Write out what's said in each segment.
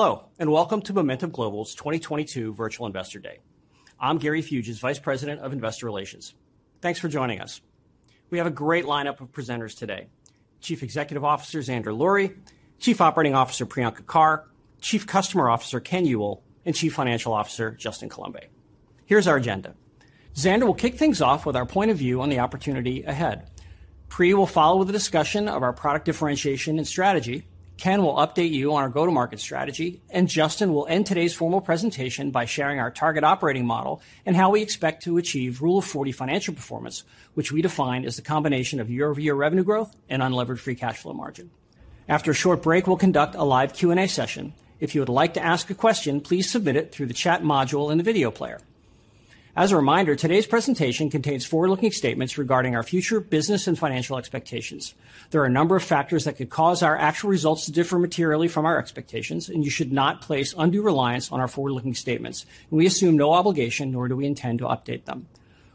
Hello, and welcome to Momentive Global's 2022 Virtual Investor Day. I'm Gary Fuges, Vice President of Investor Relations. Thanks for joining us. We have a great lineup of presenters today. Chief Executive Officer Zander Lurie, Chief Operating Officer Priyanka Carr, Chief Customer Officer Ken Ewell, and Chief Financial Officer Justin Coulombe. Here's our agenda. Zander will kick things off with our point of view on the opportunity ahead. Pri will follow with a discussion of our product differentiation and strategy. Ken will update you on our go-to-market strategy. Justin will end today's formal presentation by sharing our target operating model and how we expect to achieve Rule of 40 financial performance, which we define as the combination of year-over-year revenue growth and unlevered free cash flow margin. After a short break, we'll conduct a live Q&A session. If you would like to ask a question, please submit it through the chat module in the video player. As a reminder, today's presentation contains forward-looking statements regarding our future, business, and financial expectations. There are a number of factors that could cause our actual results to differ materially from our expectations, and you should not place undue reliance on our forward-looking statements. We assume no obligation, nor do we intend to update them.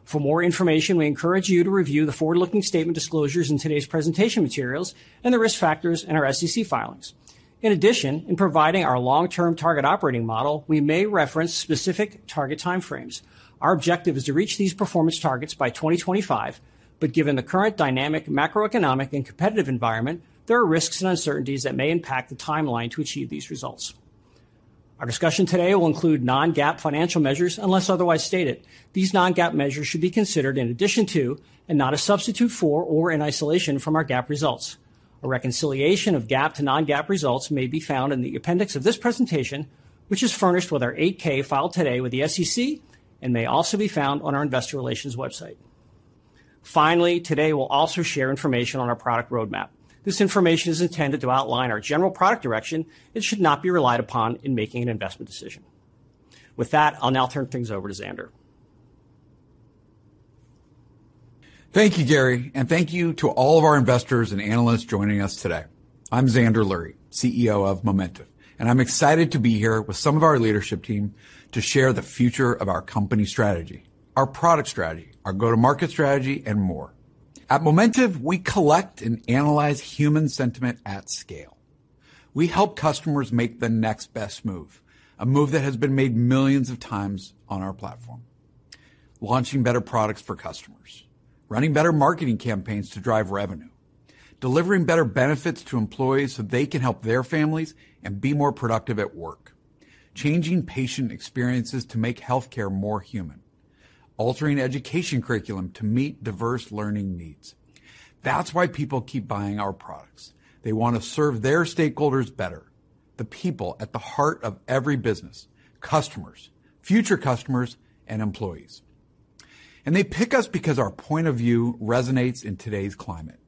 For more information, we encourage you to review the forward-looking statement disclosures in today's presentation materials and the risk factors in our SEC filings. In addition, in providing our long-term target operating model, we may reference specific target timeframes. Our objective is to reach these performance targets by 2025, but given the current dynamic macroeconomic and competitive environment, there are risks and uncertainties that may impact the timeline to achieve these results. Our discussion today will include non-GAAP financial measures unless otherwise stated. These non-GAAP measures should be considered in addition to, and not a substitute for or in isolation from, our GAAP results. A reconciliation of GAAP to non-GAAP results may be found in the appendix of this presentation, which is furnished with our 8-K filed today with the SEC and may also be found on our investor relations website. Finally, today we'll also share information on our product roadmap. This information is intended to outline our general product direction and should not be relied upon in making an investment decision. With that, I'll now turn things over to Zander. Thank you, Gary, and thank you to all of our investors and analysts joining us today. I'm Zander Lurie, CEO of Momentive, and I'm excited to be here with some of our leadership team to share the future of our company strategy, our product strategy, our go-to-market strategy, and more. At Momentive, we collect and analyze human sentiment at scale. We help customers make the next best move, a move that has been made millions of times on our platform. Launching better products for customers, running better marketing campaigns to drive revenue, delivering better benefits to employees so they can help their families and be more productive at work, changing patient experiences to make healthcare more human, altering education curriculum to meet diverse learning needs. That's why people keep buying our products. They want to serve their stakeholders better, the people at the heart of every business, customers, future customers, and employees. They pick us because our point of view resonates in today's climate.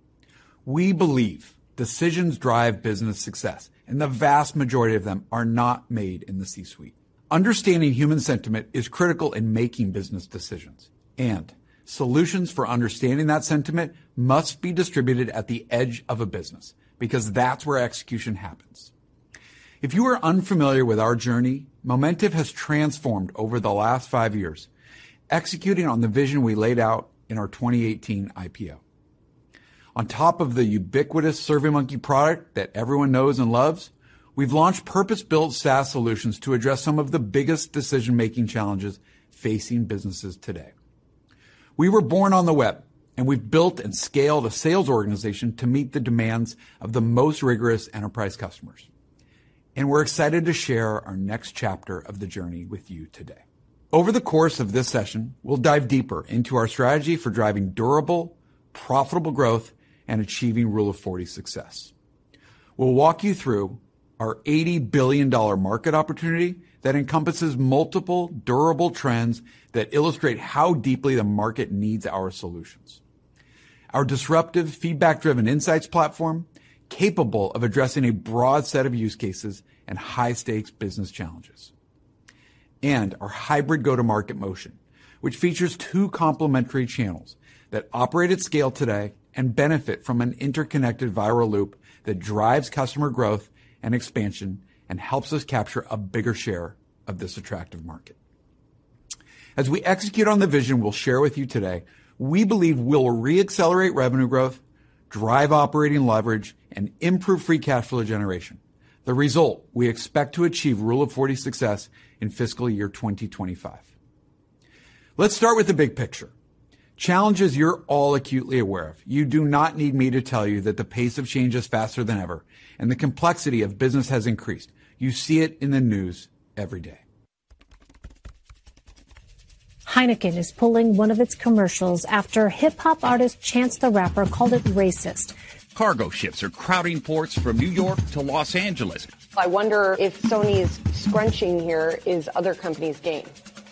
We believe decisions drive business success, and the vast majority of them are not made in the C-suite. Understanding human sentiment is critical in making business decisions, and solutions for understanding that sentiment must be distributed at the edge of a business because that's where execution happens. If you are unfamiliar with our journey, Momentive has transformed over the last five years, executing on the vision we laid out in our 2018 IPO. On top of the ubiquitous SurveyMonkey product that everyone knows and loves, we've launched purpose-built SaaS solutions to address some of the biggest decision-making challenges facing businesses today. We were born on the web, and we've built and scaled a sales organization to meet the demands of the most rigorous enterprise customers. We're excited to share our next chapter of the journey with you today. Over the course of this session, we'll dive deeper into our strategy for driving durable, profitable growth and achieving Rule of 40 success. We'll walk you through our $80 billion market opportunity that encompasses multiple durable trends that illustrate how deeply the market needs our solutions. Our disruptive feedback-driven insights platform, capable of addressing a broad set of use cases and high-stakes business challenges. Our hybrid go-to-market motion, which features two complementary channels that operate at scale today and benefit from an interconnected viral loop that drives customer growth and expansion and helps us capture a bigger share of this attractive market. As we execute on the vision we'll share with you today, we believe we'll re-accelerate revenue growth, drive operating leverage, and improve free cash flow generation. The result, we expect to achieve Rule of 40 success in fiscal year 2025. Let's start with the big picture, challenges you're all acutely aware of. You do not need me to tell you that the pace of change is faster than ever, and the complexity of business has increased. You see it in the news every day. Heineken is pulling one of its commercials after hip-hop artist Chance the Rapper called it racist. Cargo ships are crowding ports from New York to Los Angeles. I wonder if Sony's scrunching here is other companies' gain.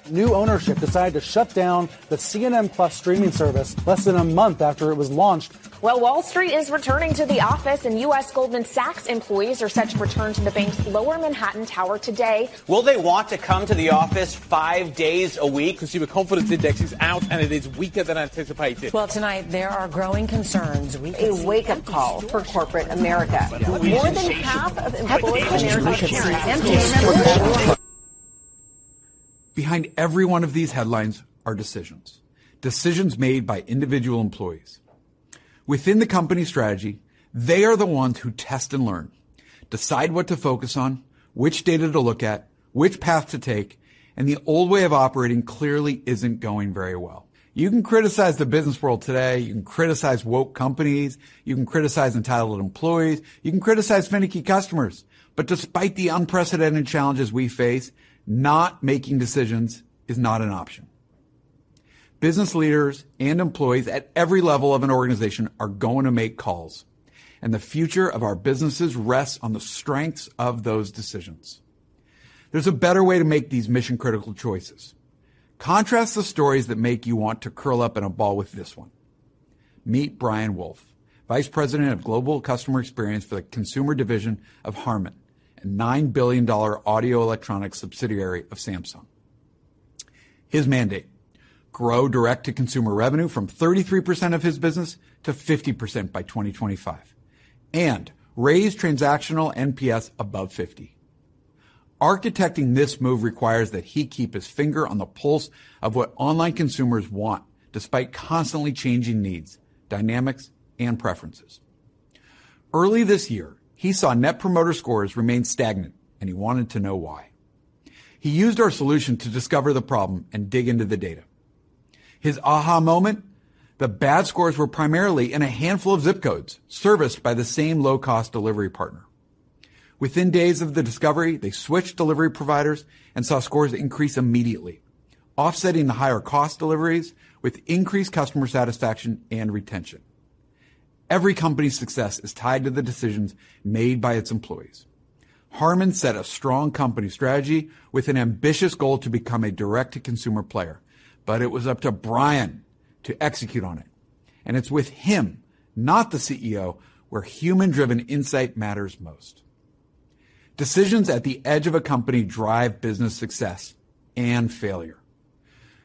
New ownership decided to shut down the CNN+ streaming service less than a month after it was launched. Well, Wall Street is returning to the office, and U.S. Goldman Sachs employees are set to return to the bank's Lower Manhattan tower today. Will they want to come to the office five days a week? Consumer Confidence Index is out, and it is weaker than anticipated. Well, tonight, there are growing concerns. A wake-up call for corporate America. More than half of employees in America. Behind every one of these headlines are decisions made by individual employees. Within the company strategy, they are the ones who test and learn, decide what to focus on, which data to look at, which path to take, and the old way of operating clearly isn't going very well. You can criticize the business world today. You can criticize woke companies. You can criticize entitled employees. You can criticize finicky customers. Despite the unprecedented challenges we face, not making decisions is not an option. Business leaders and employees at every level of an organization are going to make calls, and the future of our businesses rests on the strengths of those decisions. There's a better way to make these mission-critical choices. Contrast the stories that make you want to curl up in a ball with this one. Meet Brian T. Wolfe, Vice President of Global Customer Experience for the consumer division of Harman, a $9 billion audio electronics subsidiary of Samsung. His mandate, grow direct-to-consumer revenue from 33% of his business to 50% by 2025 and raise transactional NPS above 50. Architecting this move requires that he keep his finger on the pulse of what online consumers want, despite constantly changing needs, dynamics, and preferences. Early this year, he saw net promoter scores remain stagnant, and he wanted to know why. He used our solution to discover the problem and dig into the data. His aha moment, the bad scores were primarily in a handful of zip codes serviced by the same low-cost delivery partner. Within days of the discovery, they switched delivery providers and saw scores increase immediately, offsetting the higher cost deliveries with increased customer satisfaction and retention. Every company's success is tied to the decisions made by its employees. Harman set a strong company strategy with an ambitious goal to become a direct-to-consumer player. It was up to Brian to execute on it, and it's with him, not the CEO, where human-driven insight matters most. Decisions at the edge of a company drive business success and failure.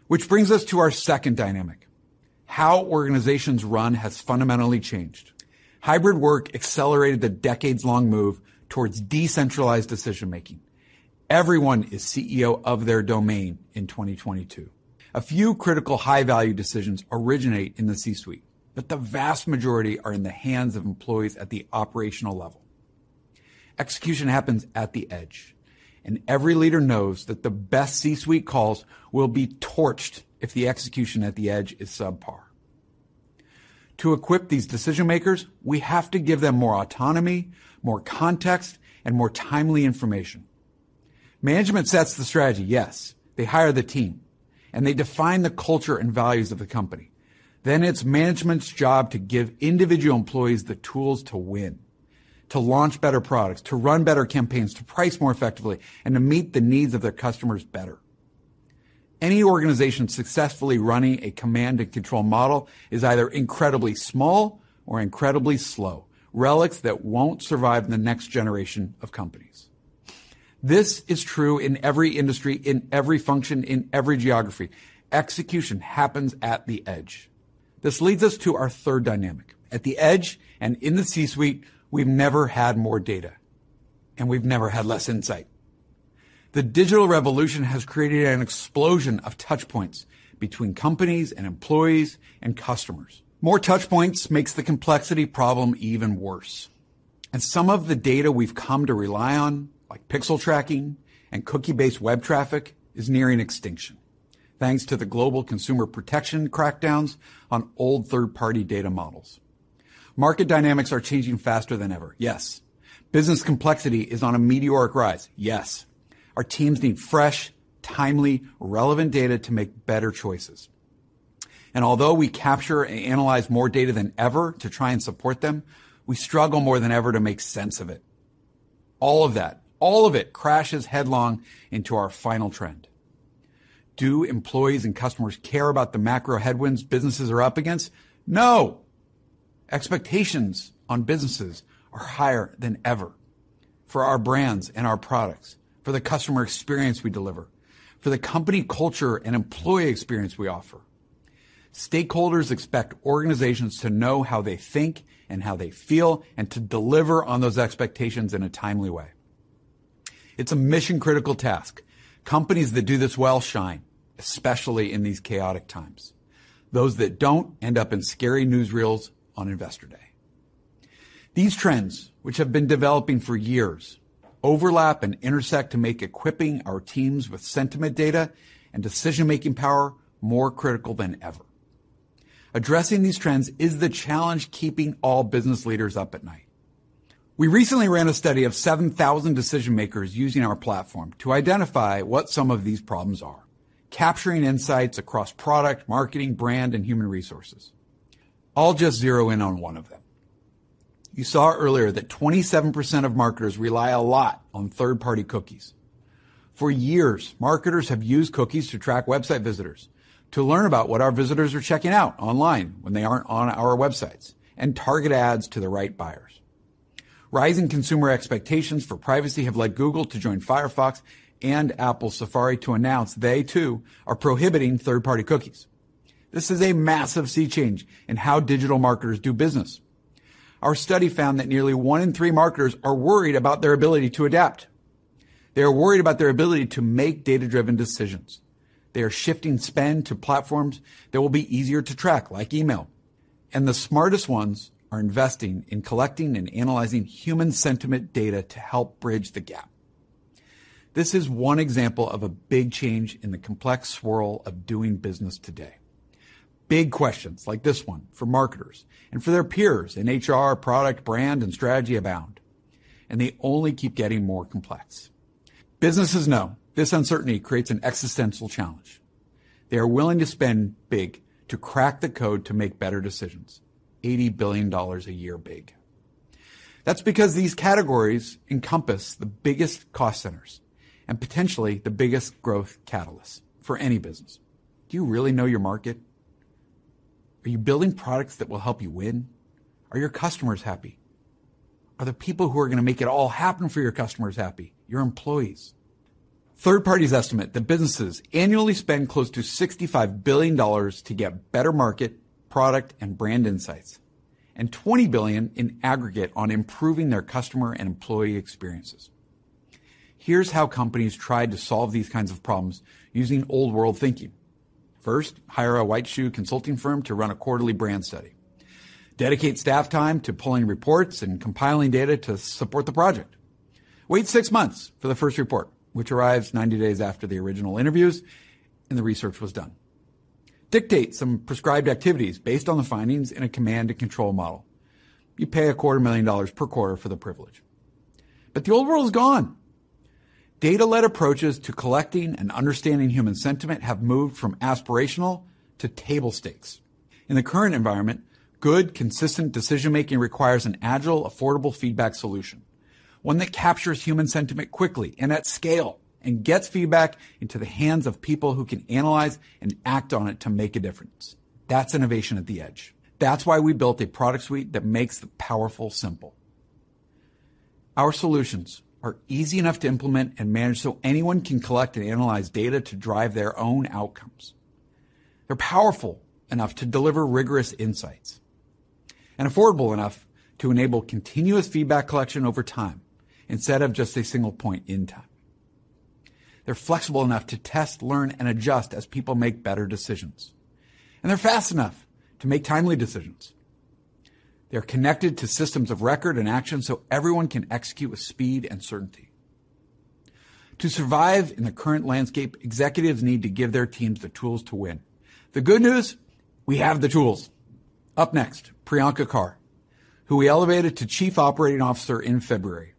Which brings us to our second dynamic. How organizations run has fundamentally changed. Hybrid work accelerated the decades-long move towards decentralized decision-making. Everyone is CEO of their domain in 2022. A few critical high-value decisions originate in the C-suite, but the vast majority are in the hands of employees at the operational level. Execution happens at the edge, and every leader knows that the best C-suite calls will be torched if the execution at the edge is subpar. To equip these decision-makers, we have to give them more autonomy, more context, and more timely information. Management sets the strategy. Yes, they hire the team, and they define the culture and values of the company. It's management's job to give individual employees the tools to win, to launch better products, to run better campaigns, to price more effectively, and to meet the needs of their customers better. Any organization successfully running a command and control model is either incredibly small or incredibly slow, relics that won't survive in the next generation of companies. This is true in every industry, in every function, in every geography. Execution happens at the edge. This leads us to our third dynamic. At the edge and in the C-suite, we've never had more data, and we've never had less insight. The digital revolution has created an explosion of touchpoints between companies and employees and customers. More touchpoints makes the complexity problem even worse. Some of the data we've come to rely on, like pixel tracking and cookie-based web traffic, is nearing extinction, thanks to the global consumer protection crackdowns on old third-party data models. Market dynamics are changing faster than ever. Yes. Business complexity is on a meteoric rise. Yes. Our teams need fresh, timely, relevant data to make better choices. Although we capture and analyze more data than ever to try and support them, we struggle more than ever to make sense of it. All of that, all of it crashes headlong into our final trend. Do employees and customers care about the macro headwinds businesses are up against? No. Expectations on businesses are higher than ever for our brands and our products, for the customer experience we deliver, for the company culture and employee experience we offer. Stakeholders expect organizations to know how they think and how they feel, and to deliver on those expectations in a timely way. It's a mission-critical task. Companies that do this well shine, especially in these chaotic times. Those that don't end up in scary newsreels on Investor Day. These trends, which have been developing for years, overlap and intersect to make equipping our teams with sentiment data and decision-making power more critical than ever. Addressing these trends is the challenge keeping all business leaders up at night. We recently ran a study of 7,000 decision-makers using our platform to identify what some of these problems are, capturing insights across product, marketing, brand, and human resources. I'll just zero in on one of them. You saw earlier that 27% of marketers rely a lot on third-party cookies. For years, marketers have used cookies to track website visitors to learn about what our visitors are checking out online when they aren't on our websites and target ads to the right buyers. Rising consumer expectations for privacy have led Google to join Firefox and Apple Safari to announce they, too, are prohibiting third-party cookies. This is a massive sea change in how digital marketers do business. Our study found that nearly one in three marketers are worried about their ability to adapt. They are worried about their ability to make data-driven decisions. They are shifting spend to platforms that will be easier to track, like email. The smartest ones are investing in collecting and analyzing human sentiment data to help bridge the gap. This is one example of a big change in the complex swirl of doing business today. Big questions like this one for marketers and for their peers in HR, product, brand, and strategy abound, and they only keep getting more complex. Businesses know this uncertainty creates an existential challenge. They are willing to spend big to crack the code to make better decisions. $80 billion a year big. That's because these categories encompass the biggest cost centers and potentially the biggest growth catalysts for any business. Do you really know your market? Are you building products that will help you win? Are your customers happy? Are the people who are going to make it all happen for your customers happy, your employees? Third parties estimate that businesses annually spend close to $65 billion to get better market, product, and brand insights, and $20 billion in aggregate on improving their customer and employee experiences. Here's how companies tried to solve these kinds of problems using old world thinking. First, hire a white shoe consulting firm to run a quarterly brand study. Dedicate staff time to pulling reports and compiling data to support the project. Wait six months for the first report, which arrives 90 days after the original interviews and the research was done. Dictate some prescribed activities based on the findings in a command and control model. You pay a quarter million dollars per quarter for the privilege. The old world is gone. Data-led approaches to collecting and understanding human sentiment have moved from aspirational to table stakes. In the current environment, good, consistent decision-making requires an agile, affordable feedback solution, one that captures human sentiment quickly and at scale and gets feedback into the hands of people who can analyze and act on it to make a difference. That's innovation at the edge. That's why we built a product suite that makes the powerful simple. Our solutions are easy enough to implement and manage so anyone can collect and analyze data to drive their own outcomes. They're powerful enough to deliver rigorous insights and affordable enough to enable continuous feedback collection over time instead of just a single point in time. They're flexible enough to test, learn, and adjust as people make better decisions. They're fast enough to make timely decisions. They're connected to systems of record and action, so everyone can execute with speed and certainty. To survive in the current landscape, executives need to give their teams the tools to win. The good news, we have the tools. Up next, Priyanka Carr, who we elevated to Chief Operating Officer in February.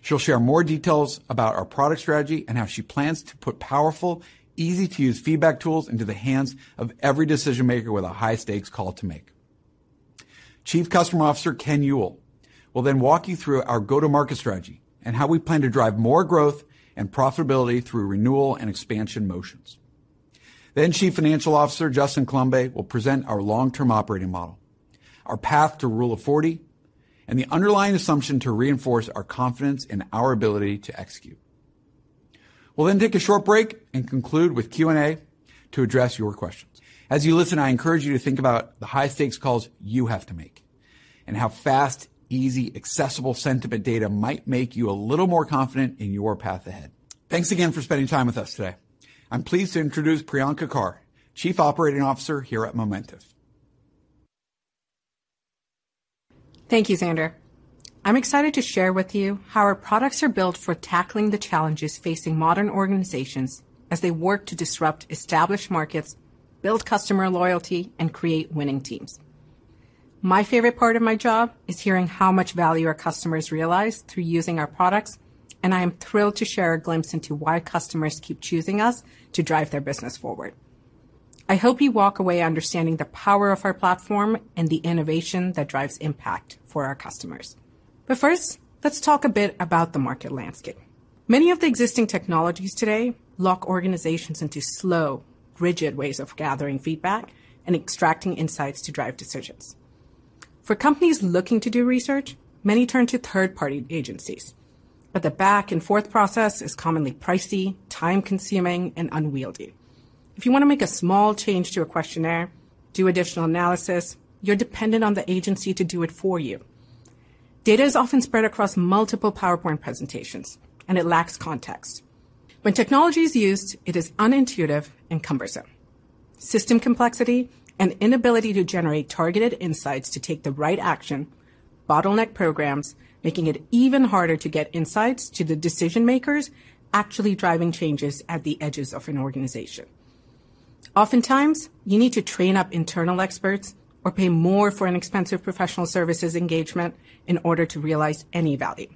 She'll share more details about our product strategy and how she plans to put powerful, easy-to-use feedback tools into the hands of every decision-maker with a high-stakes call to make. Chief Customer Officer Ken Ewell will then walk you through our go-to-market strategy and how we plan to drive more growth and profitability through renewal and expansion motions. Then Chief Financial Officer Justin Coulombe will present our long-term operating model, our path to Rule of 40, and the underlying assumption to reinforce our confidence in our ability to execute. We'll then take a short break and conclude with Q&A to address your questions. As you listen, I encourage you to think about the high-stakes calls you have to make and how fast, easy, accessible sentiment data might make you a little more confident in your path ahead. Thanks again for spending time with us today. I'm pleased to introduce Priyanka Carr, Chief Operating Officer here at Momentive. Thank you, Zander. I'm excited to share with you how our products are built for tackling the challenges facing modern organizations as they work to disrupt established markets, build customer loyalty, and create winning teams. My favorite part of my job is hearing how much value our customers realize through using our products, and I am thrilled to share a glimpse into why customers keep choosing us to drive their business forward. I hope you walk away understanding the power of our platform and the innovation that drives impact for our customers. First, let's talk a bit about the market landscape. Many of the existing technologies today lock organizations into slow, rigid ways of gathering feedback and extracting insights to drive decisions. For companies looking to do research, many turn to third-party agencies. The back-and-forth process is commonly pricey, time-consuming, and unwieldy. If you want to make a small change to a questionnaire, do additional analysis, you're dependent on the agency to do it for you. Data is often spread across multiple PowerPoint presentations, and it lacks context. When technology is used, it is unintuitive and cumbersome. System complexity and inability to generate targeted insights to take the right action bottleneck programs, making it even harder to get insights to the decision-makers actually driving changes at the edges of an organization. Oftentimes, you need to train up internal experts or pay more for an expensive professional services engagement in order to realize any value.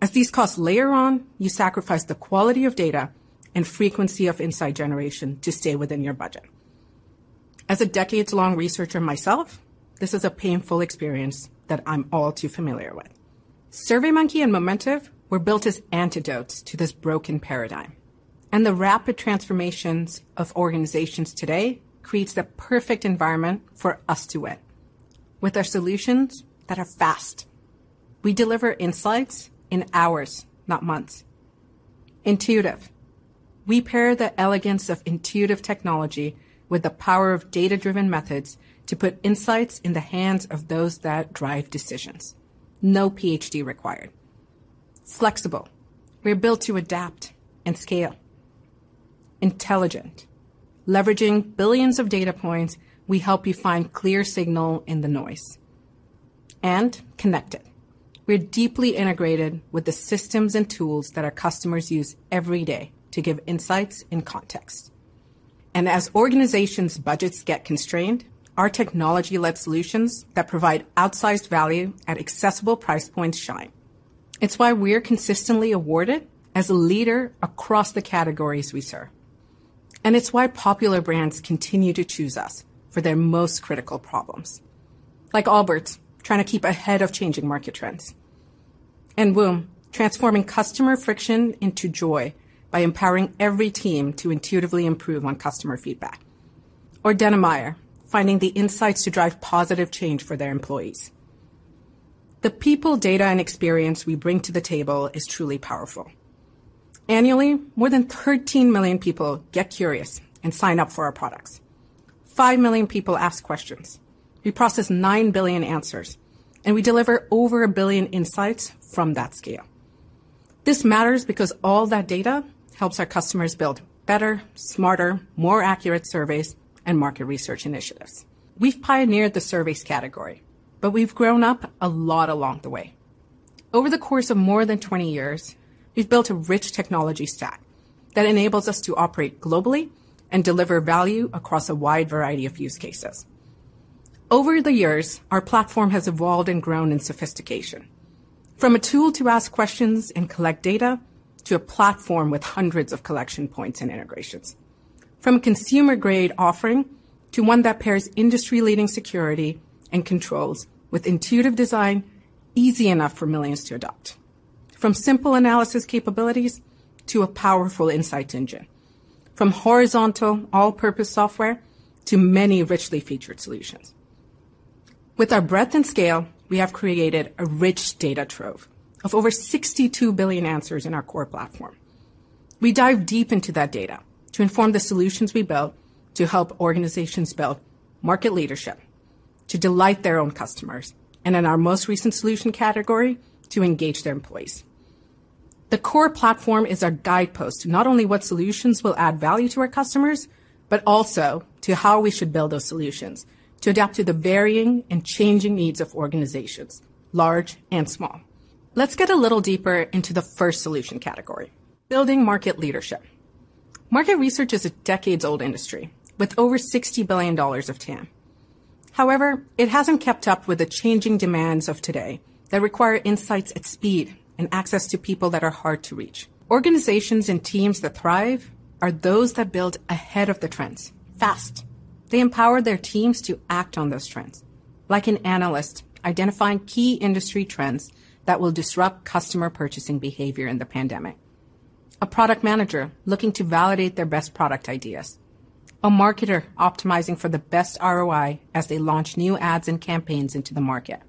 As these costs layer on, you sacrifice the quality of data and frequency of insight generation to stay within your budget. As a decades-long researcher myself, this is a painful experience that I'm all too familiar with. SurveyMonkey and Momentive were built as antidotes to this broken paradigm. The rapid transformations of organizations today creates the perfect environment for us to win. With our solutions that are fast, we deliver insights in hours, not months. Intuitive. We pair the elegance of intuitive technology with the power of data-driven methods to put insights in the hands of those that drive decisions. No PhD required. Flexible. We're built to adapt and scale. Intelligent. Leveraging billions of data points, we help you find clear signal in the noise. Connected. We're deeply integrated with the systems and tools that our customers use every day to give insights in context. As organizations' budgets get constrained, our technology-led solutions that provide outsized value at accessible price points shine. It's why we're consistently awarded as a leader across the categories we serve. Popular brands continue to choose us for their most critical problems. Like Albertsons, trying to keep ahead of changing market trends. Woom, transforming customer friction into joy by empowering every team to intuitively improve on customer feedback. Dennemeyer, finding the insights to drive positive change for their employees. The people data and experience we bring to the table is truly powerful. Annually, more than 13 million people get curious and sign up for our products. Five million people ask questions. We process nine billion answers, and we deliver over one billion insights from that scale. This matters because all that data helps our customers build better, smarter, more accurate surveys and market research initiatives. We've pioneered the surveys category, but we've grown up a lot along the way. Over the course of more than 20 years, we've built a rich technology stack that enables us to operate globally and deliver value across a wide variety of use cases. Over the years, our platform has evolved and grown in sophistication. From a tool to ask questions and collect data to a platform with hundreds of collection points and integrations. From consumer-grade offering to one that pairs industry-leading security and controls with intuitive design, easy enough for millions to adopt. From simple analysis capabilities to a powerful insight engine. From horizontal all-purpose software to many richly featured solutions. With our breadth and scale, we have created a rich data trove of over 62 billion answers in our core platform. We dive deep into that data to inform the solutions we build to help organizations build market leadership, to delight their own customers, and in our most recent solution category, to engage their employees. The core platform is our guidepost to not only what solutions will add value to our customers, but also to how we should build those solutions to adapt to the varying and changing needs of organizations, large and small. Let's get a little deeper into the first solution category, building market leadership. Market research is a decades-old industry with over $60 billion of TAM. However, it hasn't kept up with the changing demands of today that require insights at speed and access to people that are hard to reach. Organizations and teams that thrive are those that build ahead of the trends, fast. They empower their teams to act on those trends. Like an analyst identifying key industry trends that will disrupt customer purchasing behavior in the pandemic. A product manager looking to validate their best product ideas. A marketer optimizing for the best ROI as they launch new ads and campaigns into the market.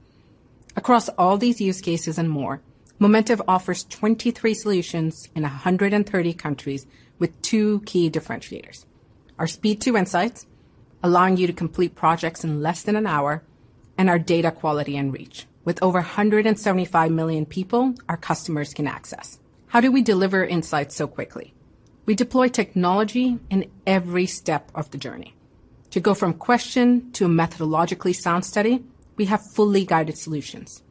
Across all these use cases and more, Momentive offers 23 solutions in 130 countries with two key differentiators. Our speed to insights, allowing you to complete projects in less than an hour, and our data quality and reach with over 175 million people our customers can access. How do we deliver insights so quickly? We deploy technology in every step of the journey. To go from question to a methodologically sound study, we have fully guided solutions.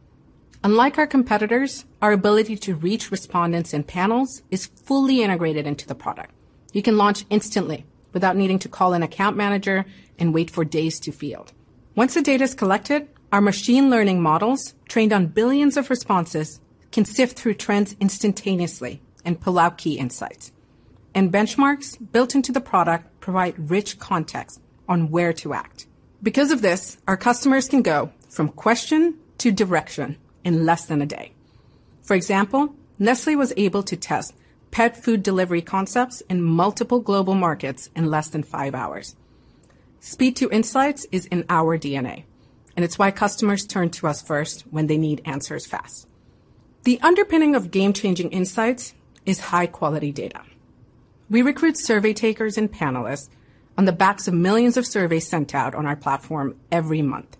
Unlike our competitors, our ability to reach respondents and panels is fully integrated into the product. You can launch instantly without needing to call an account manager and wait for days to field. Once the data is collected, our machine learning models, trained on billions of responses, can sift through trends instantaneously and pull out key insights. Benchmarks built into the product provide rich context on where to act. Because of this, our customers can go from question to direction in less than a day. For example, Nestlé was able to test, pet food delivery concepts in multiple global markets in less than five hours. Speed to insights is in our DNA, and it's why customers turn to us first when they need answers fast. The underpinning of game-changing insights is high-quality data. We recruit survey takers and panelists on the backs of millions of surveys sent out on our platform every month.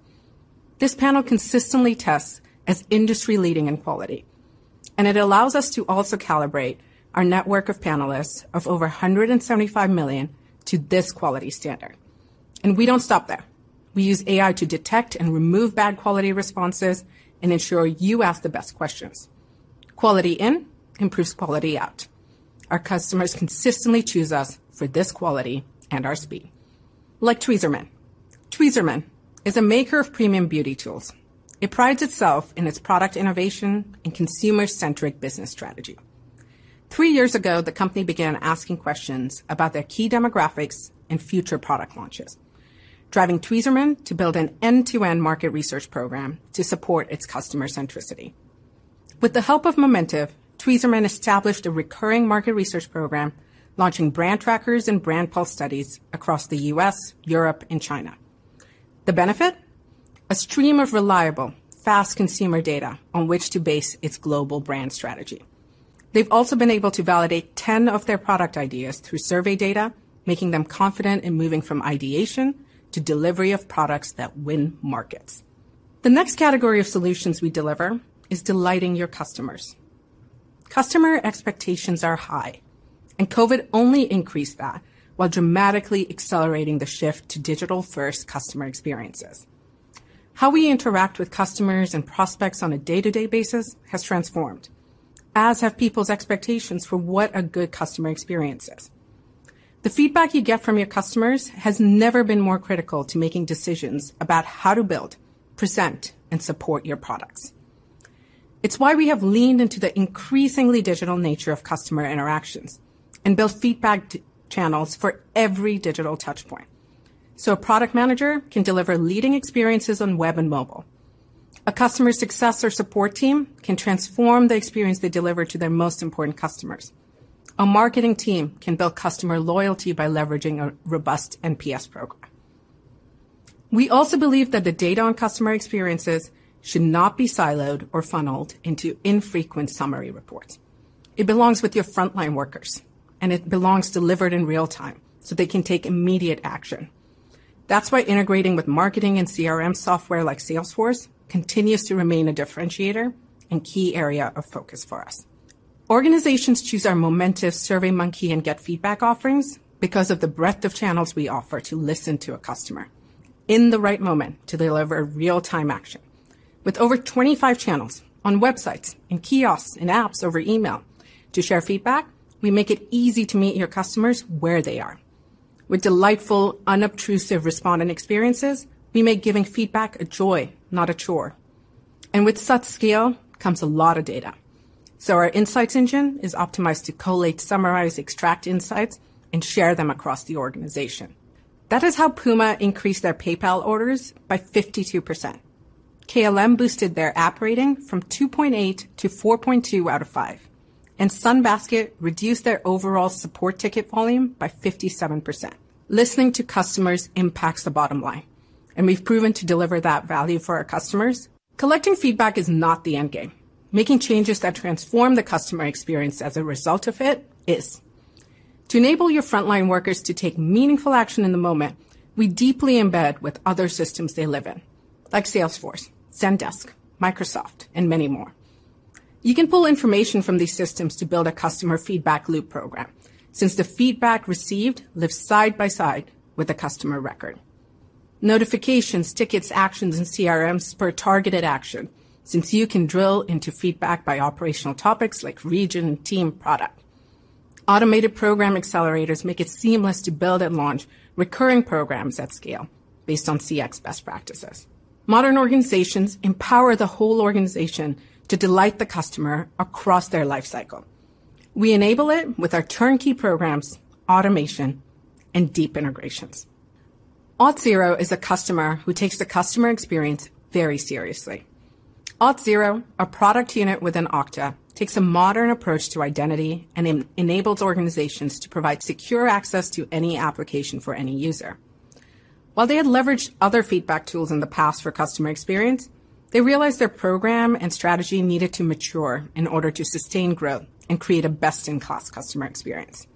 This panel consistently tests as industry-leading in quality, and it allows us to also calibrate our network of panelists of over 175 million to this quality standard. We don't stop there. We use AI to detect and remove bad quality responses and ensure you ask the best questions. Quality in improves quality out. Our customers consistently choose us for this quality and our speed. Like Tweezerman. Tweezerman is a maker of premium beauty tools. It prides itself in its product innovation and consumer-centric business strategy. Three years ago, the company began asking questions about their key demographics and future product launches, driving Tweezerman to build an end-to-end market research program to support its customer centricity. With the help of Momentive, Tweezerman established a recurring market research program, launching brand trackers and brand pulse studies across the U.S., Europe, and China. The benefit. A stream of reliable, fast consumer data on which to base its global brand strategy. They've also been able to validate 10 of their product ideas through survey data, making them confident in moving from ideation to delivery of products that win markets. The next category of solutions we deliver is delighting your customers. Customer expectations are high, and COVID only increased that while dramatically accelerating the shift to digital-first customer experiences. How we interact with customers and prospects on a day-to-day basis has transformed, as have people's expectations for what a good customer experience is. The feedback you get from your customers has never been more critical to making decisions about how to build, present, and support your products. It's why we have leaned into the increasingly digital nature of customer interactions and built feedback touch channels for every digital touch point. A product manager can deliver leading experiences on web and mobile. A customer success or support team can transform the experience they deliver to their most important customers. A marketing team can build customer loyalty by leveraging a robust NPS program. We also believe that the data on customer experiences should not be siloed or funneled into infrequent summary reports. It belongs with your frontline workers, and it belongs delivered in real-time so they can take immediate action. That's why integrating with marketing and CRM software like Salesforce continues to remain a differentiator and key area of focus for us. Organizations choose our Momentive SurveyMonkey and GetFeedback offerings because of the breadth of channels we offer to listen to a customer in the right moment to deliver real-time action. With over 25 channels on websites, in kiosks, in apps, over email to share feedback, we make it easy to meet your customers where they are. With delightful, unobtrusive respondent experiences, we make giving feedback a joy, not a chore. With such scale comes a lot of data. Our insights engine is optimized to collate, summarize, extract insights, and share them across the organization. That is how Puma increased their PayPal orders by 52%. KLM boosted their app rating from 2.8% to 4.2 % out of 5%. Sunbasket reduced their overall support ticket volume by 57%. Listening to customers impacts the bottom line, and we've proven to deliver that value for our customers. Collecting feedback is not the end game. Making changes that transform the customer experience as a result of it is. To enable your frontline workers to take meaningful action in the moment, we deeply embed with other systems they live in, like Salesforce, Zendesk, Microsoft, and many more. You can pull information from these systems to build a customer feedback loop program since the feedback received lives side by side with a customer record. Notifications, tickets, actions, and CRMs for targeted action, since you can drill into feedback by operational topics like region, team, product. Automated program accelerators make it seamless to build and launch recurring programs at scale based on CX best practices. Modern organizations empower the whole organization to delight the customer across their life cycle. We enable it with our turnkey programs, automation, and deep integrations. Auth0 is a customer who takes the customer experience very seriously. Auth0, a product unit within Okta, takes a modern approach to identity and enables organizations to provide secure access to any application for any user. While they had leveraged other feedback tools in the past for customer experience, they realized their program and strategy needed to mature in order to sustain growth and create a best-in-class customer experience.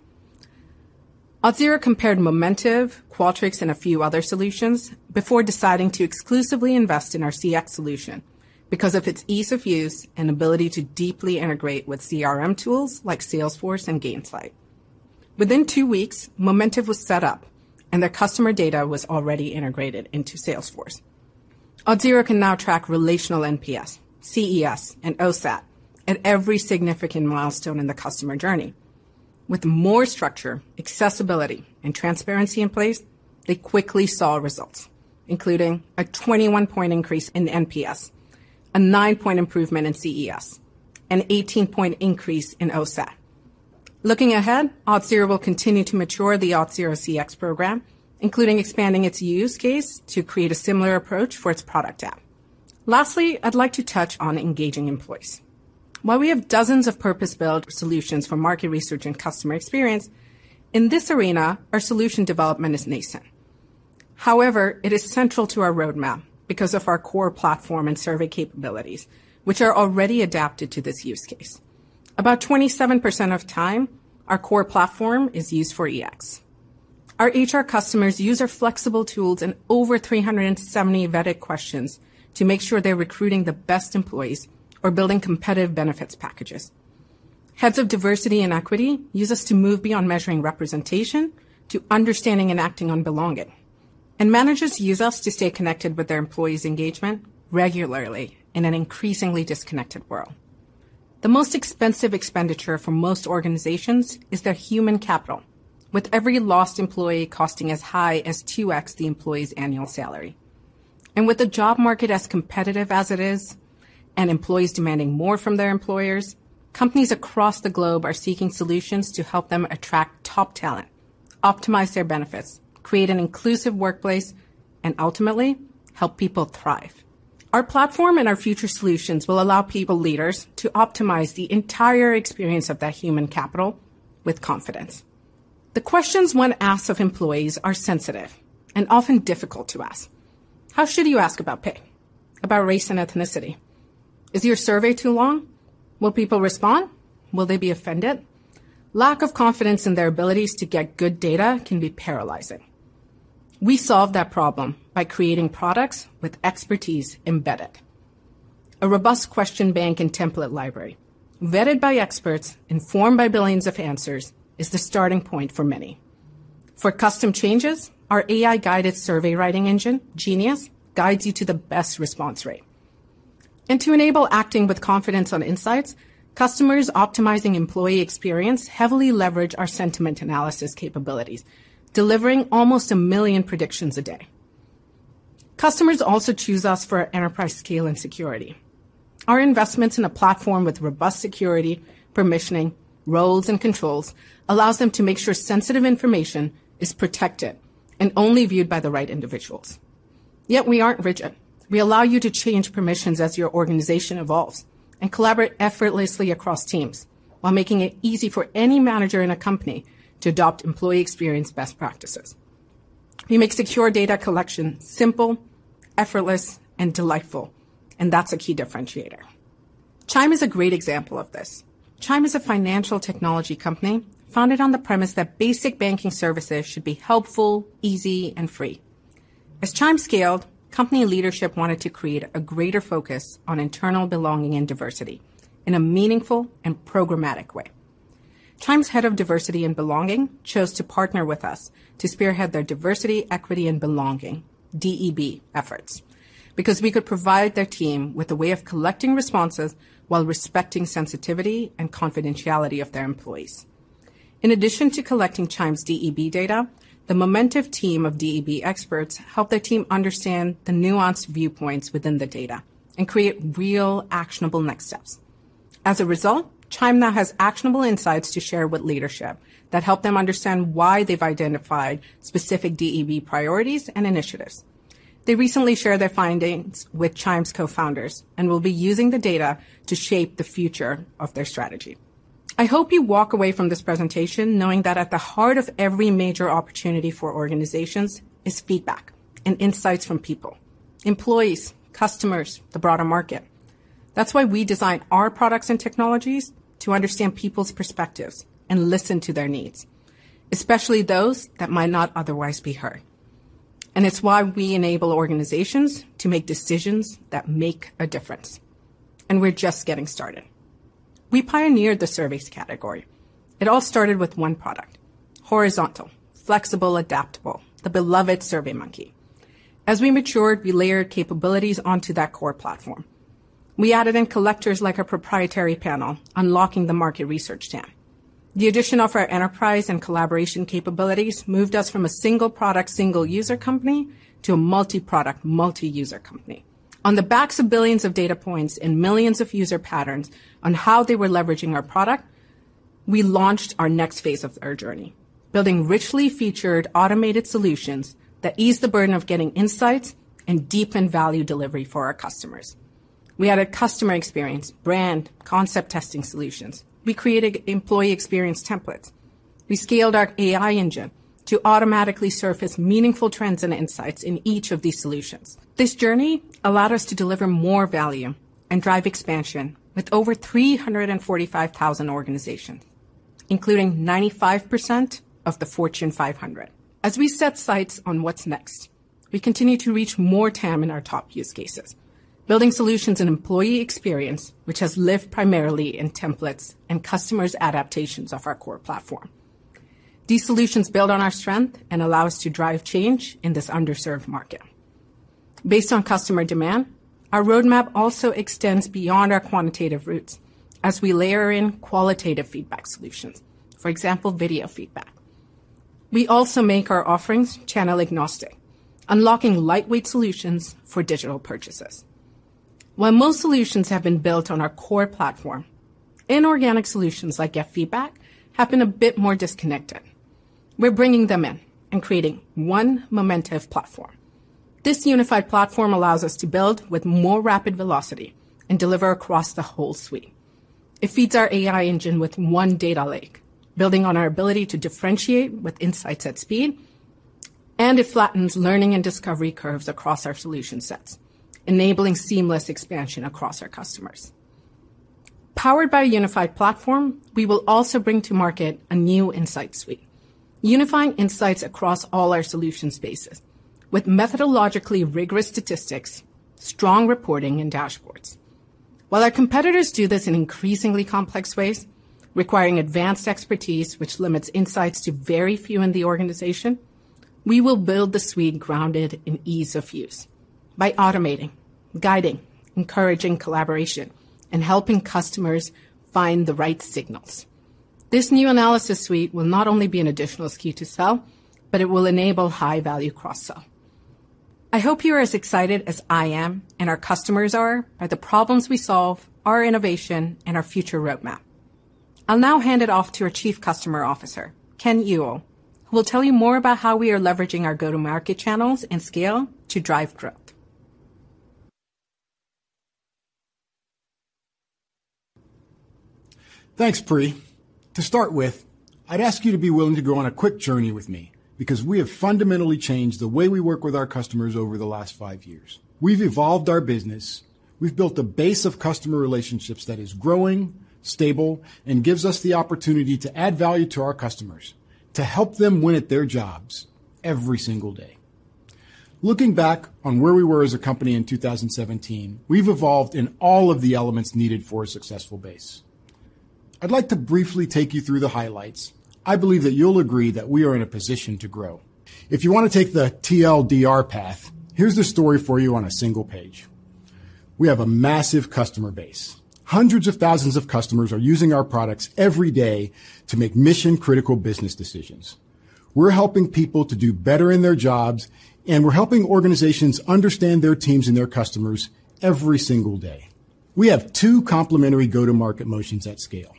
Auth0 compared Momentive, Qualtrics, and a few other solutions before deciding to exclusively invest in our CX solution because of its ease of use and ability to deeply integrate with CRM tools like Salesforce and Gainsight. Within two weeks, Momentive was set up, and their customer data was already integrated into Salesforce. Auth0 can now track relational NPS, CES, and OSAT at every significant milestone in the customer journey. With more structure, accessibility, and transparency in place, they quickly saw results, including a 21-point increase in NPS, a nine-point improvement in CES, an 18-point increase in OSAT. Looking ahead, Auth0 will continue to mature the Auth0 CX program, including expanding its use case to create a similar approach for its product app. Lastly, I'd like to touch on engaging employees. While we have dozens of purpose-built solutions for market research and customer experience, in this arena, our solution development is nascent. However, it is central to our roadmap because of our core platform and survey capabilities, which are already adapted to this use case. About 27% of time, our core platform is used for EX. Our HR customers use our flexible tools and over 370 vetted questions to make sure they're recruiting the best employees or building competitive benefits packages. Heads of diversity and equity use us to move beyond measuring representation to understanding and acting on belonging. Managers use us to stay connected with their employees' engagement regularly in an increasingly disconnected world. The most expensive expenditure for most organizations is their human capital, with every lost employee costing as high as 2x the employee's annual salary. With the job market as competitive as it is, and employees demanding more from their employers, companies across the globe are seeking solutions to help them attract top talent, optimize their benefits, create an inclusive workplace, and ultimately help people thrive. Our platform and our future solutions will allow people leaders to optimize the entire experience of their human capital with confidence. The questions one asks of employees are sensitive and often difficult to ask. How should you ask about pay? About race and ethnicity? Is your survey too long? Will people respond? Will they be offended? Lack of confidence in their abilities to get good data can be paralyzing. We solve that problem by creating products with expertise embedded. A robust question bank and template library vetted by experts, informed by billions of answers, is the starting point for many. For custom changes, our AI-guided survey writing engine, Genius, guides you to the best response rate. To enable acting with confidence on insights, customers optimizing employee experience heavily leverage our sentiment analysis capabilities, delivering almost a million predictions a day. Customers also choose us for our enterprise scale and security. Our investments in a platform with robust security, permissioning, roles, and controls allows them to make sure sensitive information is protected and only viewed by the right individuals. Yet we aren't rigid. We allow you to change permissions as your organization evolves and collaborate effortlessly across teams while making it easy for any manager in a company to adopt employee experience best practices. We make secure data collection simple, effortless, and delightful, and that's a key differentiator. Chime is a great example of this. Chime is a financial technology company founded on the premise that basic banking services should be helpful, easy, and free. As Chime scaled, company leadership wanted to create a greater focus on internal belonging and diversity in a meaningful and programmatic way. Chime's head of diversity and belonging chose to partner with us to spearhead their Diversity, Equity, and Belonging, DEB, efforts because we could provide their team with a way of collecting responses while respecting sensitivity and confidentiality of their employees. In addition to collecting Chime's DEB data, the Momentive team of DEB experts helped their team understand the nuanced viewpoints within the data and create real, actionable next steps. As a result, Chime now has actionable insights to share with leadership that help them understand why they've identified specific DEB priorities and initiatives. They recently shared their findings with Chime's co-founders and will be using the data to shape the future of their strategy. I hope you walk away from this presentation knowing that at the heart of every major opportunity for organizations is feedback and insights from people, employees, customers, the broader market. That's why we design our products and technologies to understand people's perspectives and listen to their needs, especially those that might not otherwise be heard. It's why we enable organizations to make decisions that make a difference, and we're just getting started. We pioneered the surveys category. It all started with one product, horizontal, flexible, adaptable, the beloved SurveyMonkey. As we matured, we layered capabilities onto that core platform. We added in collectors like our proprietary panel, unlocking the market research TAM. The addition of our enterprise and collaboration capabilities moved us from a single product, single user company to a multi-product, multi-user company. On the backs of billions of data points and millions of user patterns on how they were leveraging our product, we launched our next phase of our journey, building richly featured automated solutions that ease the burden of getting insights and deepen value delivery for our customers. We added customer experience, brand, concept testing solutions. We created employee experience templates. We scaled our AI Engine to automatically surface meaningful trends and insights in each of these solutions. This journey allowed us to deliver more value and drive expansion with over 345,000 organizations, including 95% of the Fortune 500. As we set sights on what's next, we continue to reach more TAM in our top use cases, building solutions in employee experience, which has lived primarily in templates and customers' adaptations of our core platform. These solutions build on our strength and allow us to drive change in this underserved market. Based on customer demand, our roadmap also extends beyond our quantitative roots as we layer in qualitative feedback solutions. For example, video feedback. We also make our offerings channel-agnostic, unlocking lightweight solutions for digital purchases. While most solutions have been built on our core platform, inorganic solutions like GetFeedback have been a bit more disconnected. We're bringing them in and creating one Momentive platform. This unified platform allows us to build with more rapid velocity and deliver across the whole suite. It feeds our AI Engine with one data lake, building on our ability to differentiate with insights at speed, and it flattens learning and discovery curves across our solution sets, enabling seamless expansion across our customers. Powered by a unified platform, we will also bring to market a new insight suite, unifying insights across all our solution spaces with methodologically rigorous statistics, strong reporting, and dashboards. While our competitors do this in increasingly complex ways, requiring advanced expertise which limits insights to very few in the organization, we will build the suite grounded in ease of use by automating, guiding, encouraging collaboration, and helping customers find the right signals. This new analysis suite will not only be an additional SKU to sell, but it will enable high-value cross-sell. I hope you're as excited as I am and our customers are by the problems we solve, our innovation, and our future roadmap. I'll now hand it off to our Chief Customer Officer, Ken Ewell, who will tell you more about how we are leveraging our go-to-market channels and scale to drive growth. Thanks, Pri. To start with, I'd ask you to be willing to go on a quick journey with me because we have fundamentally changed the way we work with our customers over the last five years. We've evolved our business. We've built a base of customer relationships that is growing, stable and gives us the opportunity to add value to our customers, to help them win at their jobs every single day. Looking back on where we were as a company in 2017, we've evolved in all of the elements needed for a successful base. I'd like to briefly take you through the highlights. I believe that you'll agree that we are in a position to grow. If you wanna take the TLDR path, here's the story for you on a single page. We have a massive customer base. Hundreds of thousands of customers are using our products every day to make mission-critical business decisions. We're helping people to do better in their jobs, and we're helping organizations understand their teams and their customers every single day. We have two complementary go-to-market motions at scale.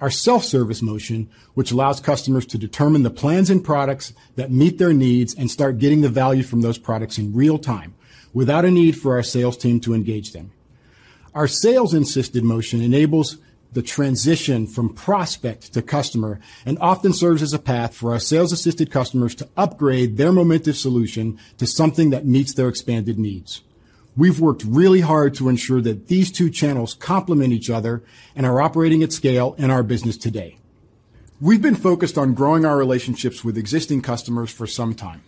Our self-service motion, which allows customers to determine the plans and products that meet their needs and start getting the value from those products in real time without a need for our sales team to engage them. Our sales-assisted motion enables the transition from prospect to customer and often serves as a path for our sales-assisted customers to upgrade their Momentive solution to something that meets their expanded needs. We've worked really hard to ensure that these two channels complement each other and are operating at scale in our business today. We've been focused on growing our relationships with existing customers for some time.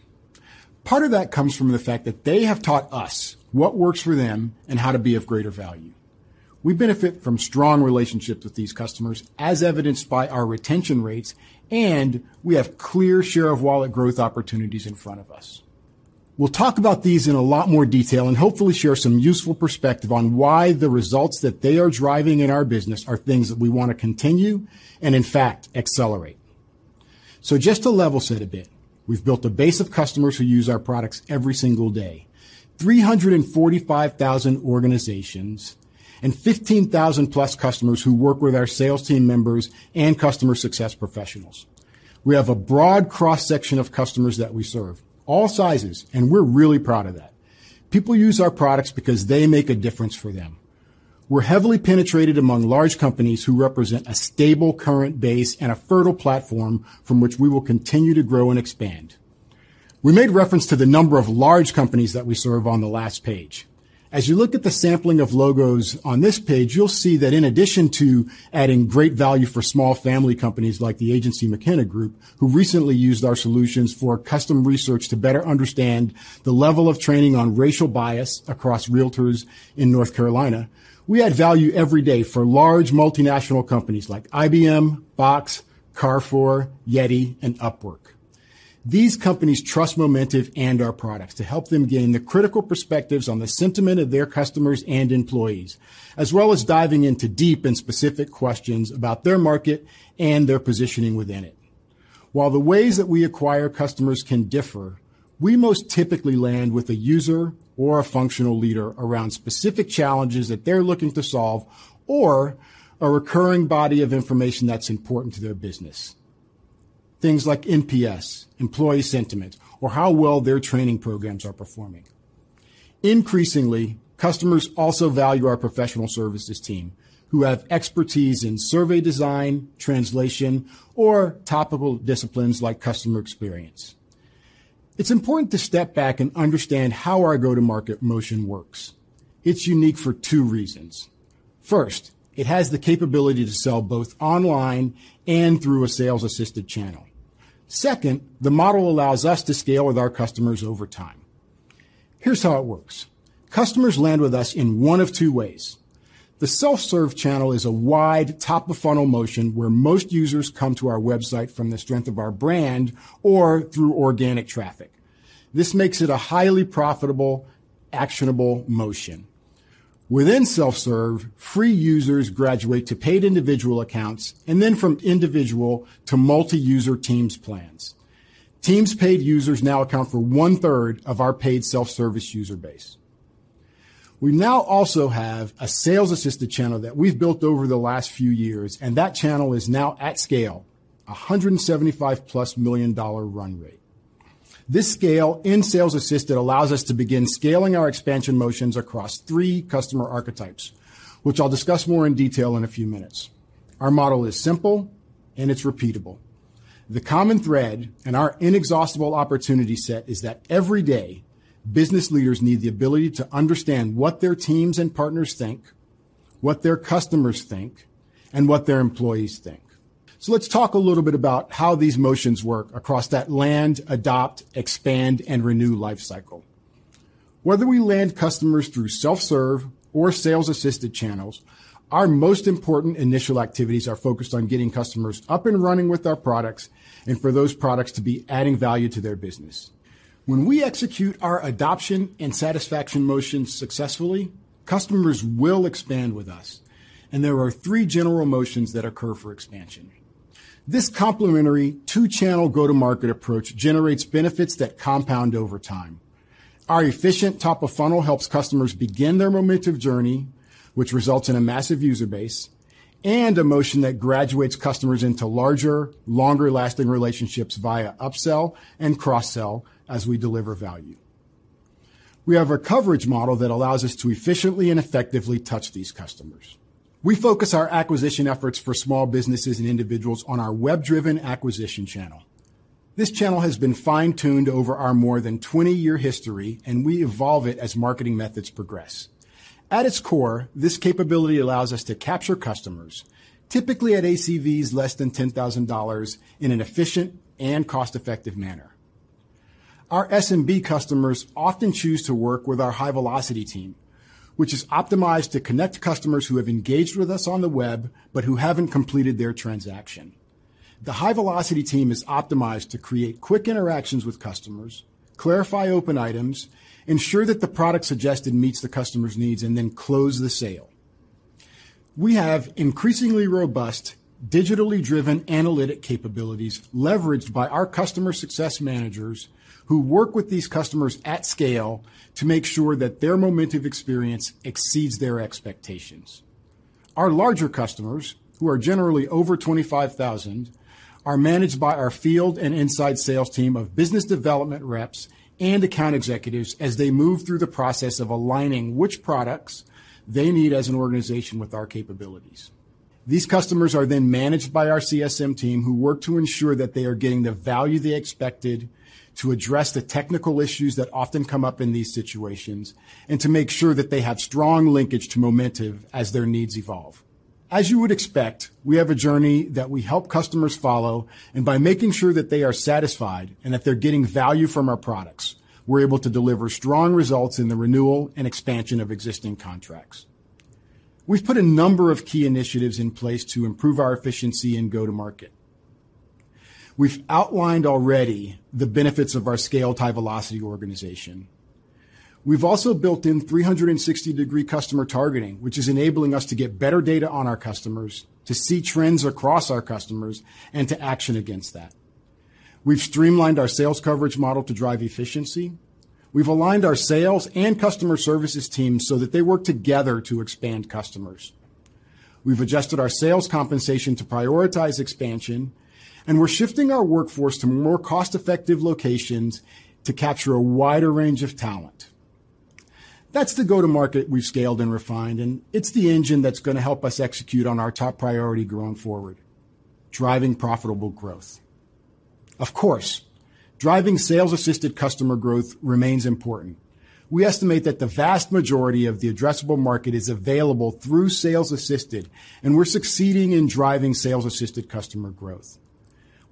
Part of that comes from the fact that they have taught us what works for them and how to be of greater value. We benefit from strong relationships with these customers, as evidenced by our retention rates, and we have clear share of wallet growth opportunities in front of us. We'll talk about these in a lot more detail and hopefully share some useful perspective on why the results that they are driving in our business are things that we wanna continue and in fact accelerate. Just to level set a bit, we've built a base of customers who use our products every single day, 345,000 organizations and 15,000-plus customers who work with our sales team members and customer success professionals. We have a broad cross-section of customers that we serve, all sizes, and we're really proud of that. People use our products because they make a difference for them. We're heavily penetrated among large companies who represent a stable current base and a fertile platform from which we will continue to grow and expand. We made reference to the number of large companies that we serve on the last page. As you look at the sampling of logos on this page, you'll see that in addition to adding great value for small family companies like Agency McKenna, who recently used our solutions for custom research to better understand the level of training on racial bias across realtors in North Carolina, we add value every day for large multinational companies like IBM, Box, Carrefour, YETI, and Upwork. These companies trust Momentive and our products to help them gain the critical perspectives on the sentiment of their customers and employees, as well as diving into deep and specific questions about their market and their positioning within it. While the ways that we acquire customers can differ, we most typically land with a user or a functional leader around specific challenges that they're looking to solve or a recurring body of information that's important to their business. Things like NPS, employee sentiment, or how well their training programs are performing. Increasingly, customers also value our professional services team who have expertise in survey design, translation, or topical disciplines like customer experience. It's important to step back and understand how our go-to-market motion works. It's unique for two reasons. First, it has the capability to sell both online and through a sales-assisted channel. Second, the model allows us to scale with our customers over time. Here's how it works. Customers land with us in one of two ways. The self-serve channel is a wide top-of-funnel motion where most users come to our website from the strength of our brand or through organic traffic. This makes it a highly profitable, actionable motion. Within self-serve, free users graduate to paid individual accounts, and then from individual to multi-user teams plans. Teams paid users now account for 1/3 of our paid self-service user base. We now also have a sales-assisted channel that we've built over the last few years, and that channel is now at scale, $175+ million-dollar run rate. This scale in sales assisted allows us to begin scaling our expansion motions across three customer archetypes, which I'll discuss more in detail in a few minutes. Our model is simple, and it's repeatable. The common thread in our inexhaustible opportunity set is that every day, business leaders need the ability to understand what their teams and partners think, what their customers think, and what their employees think. Let's talk a little bit about how these motions work across that land, adopt, expand, and renew life cycle. Whether we land customers through self-serve or sales-assisted channels, our most important initial activities are focused on getting customers up and running with our products and for those products to be adding value to their business. When we execute our adoption and satisfaction motion successfully, customers will expand with us, and there are three general motions that occur for expansion. This complementary two-channel go-to-market approach generates benefits that compound over time. Our efficient top-of-funnel helps customers begin their Momentive journey, which results in a massive user base and a motion that graduates customers into larger, longer-lasting relationships via upsell and cross-sell as we deliver value. We have a coverage model that allows us to efficiently and effectively touch these customers. We focus our acquisition efforts for small businesses and individuals on our web-driven acquisition channel. This channel has been fine-tuned over our more than 20-year history, and we evolve it as marketing methods progress. At its core, this capability allows us to capture customers, typically at ACVs less than $10,000 in an efficient and cost-effective manner. Our SMB customers often choose to work with our high-velocity team, which is optimized to connect customers who have engaged with us on the web but who haven't completed their transaction. The high-velocity team is optimized to create quick interactions with customers, clarify open items, ensure that the product suggested meets the customer's needs, and then close the sale. We have increasingly robust, digitally driven analytic capabilities leveraged by our customer success managers who work with these customers at scale to make sure that their Momentive experience exceeds their expectations. Our larger customers, who are generally over $25,000, are managed by our field and inside sales team of business development reps and account executives as they move through the process of aligning which products they need as an organization with our capabilities. These customers are then managed by our CSM team, who work to ensure that they are getting the value they expected to address the technical issues that often come up in these situations and to make sure that they have strong linkage to Momentive as their needs evolve. As you would expect, we have a journey that we help customers follow, and by making sure that they are satisfied and that they're getting value from our products, we're able to deliver strong results in the renewal and expansion of existing contracts. We've put a number of key initiatives in place to improve our efficiency and go to market. We've outlined already the benefits of our scale tie velocity organization. We've also built in 360-degree customer targeting, which is enabling us to get better data on our customers, to see trends across our customers, and to action against that. We've streamlined our sales coverage model to drive efficiency. We've aligned our sales and customer services teams so that they work together to expand customers. We've adjusted our sales compensation to prioritize expansion, and we're shifting our workforce to more cost-effective locations to capture a wider range of talent. That's the go-to-market we've scaled and refined, and it's the engine that's gonna help us execute on our top priority going forward, driving profitable growth. Of course, driving sales-assisted customer growth remains important. We estimate that the vast majority of the addressable market is available through sales assisted, and we're succeeding in driving sales-assisted customer growth.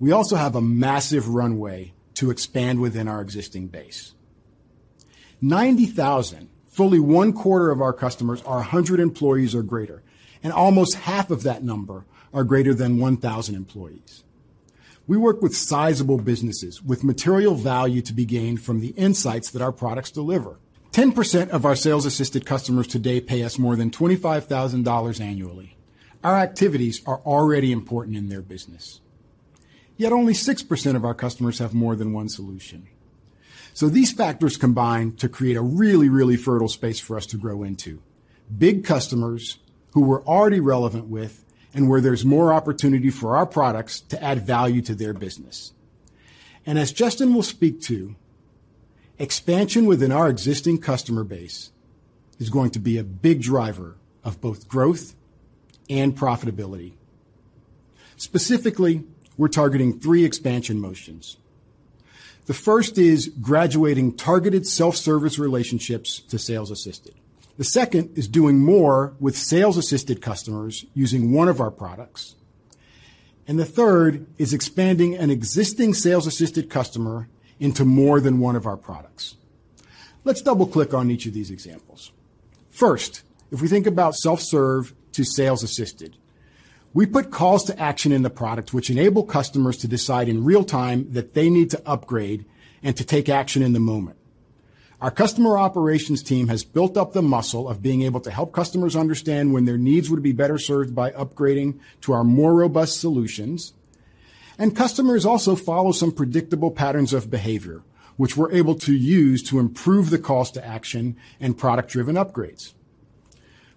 We also have a massive runway to expand within our existing base. 90,000, fully one-quarter of our customers are 100 employees or greater, and almost half of that number are greater than 1,000 employees. We work with sizable businesses with material value to be gained from the insights that our products deliver. 10% of our sales-assisted customers today pay us more than $25,000 annually. Our activities are already important in their business. Yet only 6% of our customers have more than one solution. These factors combine to create a really, really fertile space for us to grow into. Big customers who we're already relevant with and where there's more opportunity for our products to add value to their business. As Justin will speak to, expansion within our existing customer base is going to be a big driver of both growth and profitability. Specifically, we're targeting three expansion motions. The first is graduating targeted self-service relationships to sales-assisted. The second is doing more with sales-assisted customers using one of our products. And the third is expanding an existing sales-assisted customer into more than one of our products. Let's double-click on each of these examples. First, if we think about self-serve to sales assisted, we put calls to action in the product, which enable customers to decide in real time that they need to upgrade and to take action in the moment. Our customer operations team has built up the muscle of being able to help customers understand when their needs would be better served by upgrading to our more robust solutions. Customers also follow some predictable patterns of behavior, which we're able to use to improve the calls to action and product-driven upgrades.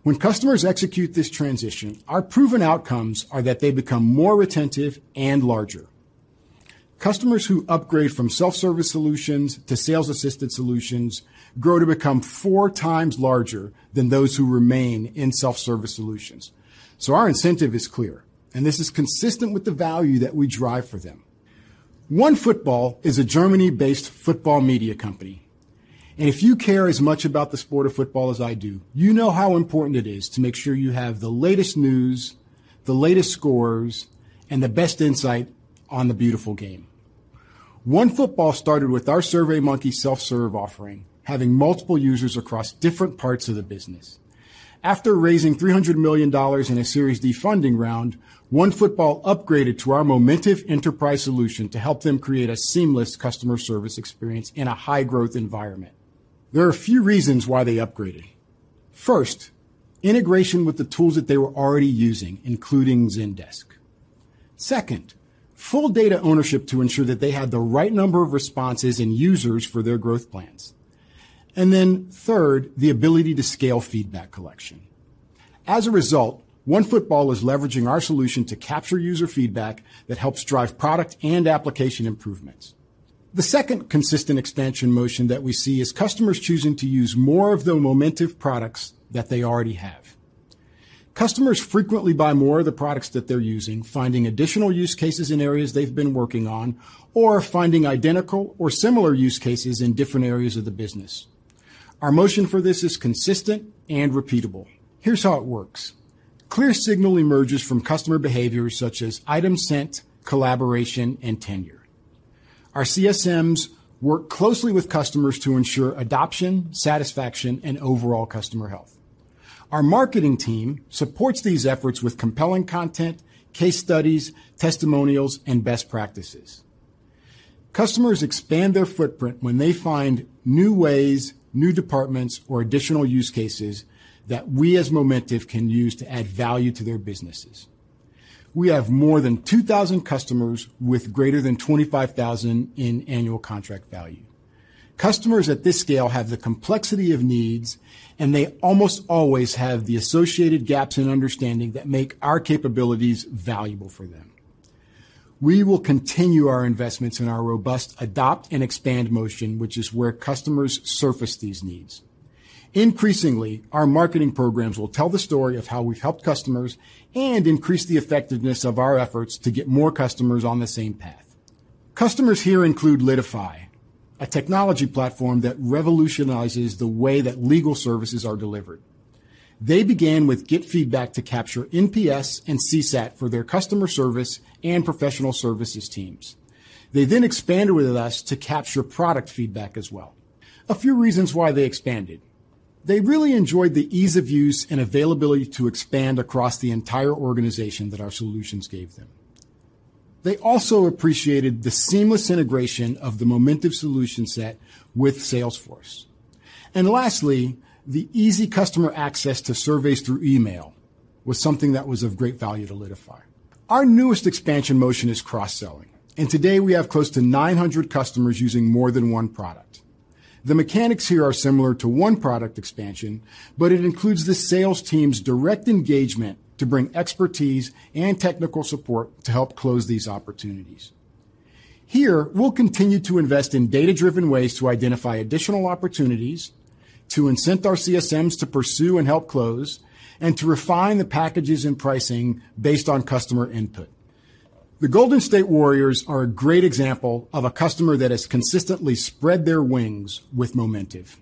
When customers execute this transition, our proven outcomes are that they become more retentive and larger. Customers who upgrade from self-service solutions to sales assistance solutions grow to become four times larger than those who remain in self-service solutions. Our incentive is clear, and this is consistent with the value that we drive for them. OneFootball is a Germany-based football media company. If you care as much about the sport of football as I do, you know how important it is to make sure you have the latest news, the latest scores, and the best insight on the beautiful game. OneFootball started with our SurveyMonkey self-serve offering, having multiple users across different parts of the business. After raising $300 million in a Series D funding round, OneFootball upgraded to our Momentive enterprise solution to help them create a seamless customer service experience in a high-growth environment. There are a few reasons why they upgraded. First, integration with the tools that they were already using, including Zendesk. Second, full data ownership to ensure that they had the right number of responses and users for their growth plans. Third, the ability to scale feedback collection. As a result, OneFootball is leveraging our solution to capture user feedback that helps drive product and application improvements. The second consistent expansion motion that we see is customers choosing to use more of the Momentive products that they already have. Customers frequently buy more of the products that they're using, finding additional use cases in areas they've been working on or finding identical or similar use cases in different areas of the business. Our motion for this is consistent and repeatable. Here's how it works. Clear signal emerges from customer behavior such as item sent, collaboration, and tenure. Our CSMs work closely with customers to ensure adoption, satisfaction, and overall customer health. Our marketing team supports these efforts with compelling content, case studies, testimonials, and best practices. Customers expand their footprint when they find new ways, new departments, or additional use cases that we, as Momentive, can use to add value to their businesses. We have more than 2,000 customers with greater than $25,000 in annual contract value. Customers at this scale have the complexity of needs, and they almost always have the associated gaps in understanding that make our capabilities valuable for them. We will continue our investments in our robust adopt and expand motion, which is where customers surface these needs. Increasingly, our marketing programs will tell the story of how we've helped customers and increase the effectiveness of our efforts to get more customers on the same path. Customers here include Litify, a technology platform that revolutionizes the way that legal services are delivered. They began with GetFeedback to capture NPS and CSAT for their customer service and professional services teams. They then expanded with us to capture product feedback as well. A few reasons why they expanded. They really enjoyed the ease of use and availability to expand across the entire organization that our solutions gave them. They also appreciated the seamless integration of the Momentive solution set with Salesforce. And lastly, the easy customer access to surveys through email was something that was of great value to Litify. Our newest expansion motion is cross-selling, and today we have close to 900 customers using more than one product. The mechanics here are similar to one product expansion, but it includes the sales team's direct engagement to bring expertise and technical support to help close these opportunities. Here, we'll continue to invest in data-driven ways to identify additional opportunities, to incent our CSMs to pursue and help close, and to refine the packages and pricing based on customer input. The Golden State Warriors are a great example of a customer that has consistently spread their wings with Momentive.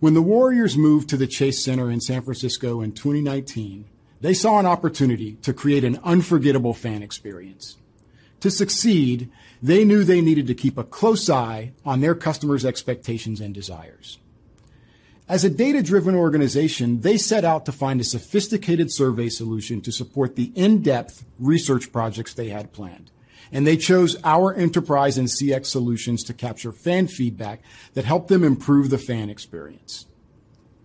When the Warriors moved to the Chase Center in San Francisco in 2019, they saw an opportunity to create an unforgettable fan experience. To succeed, they knew they needed to keep a close eye on their customers' expectations and desires. As a data-driven organization, they set out to find a sophisticated survey solution to support the in-depth research projects they had planned, and they chose our enterprise and CX solutions to capture fan feedback that helped them improve the fan experience.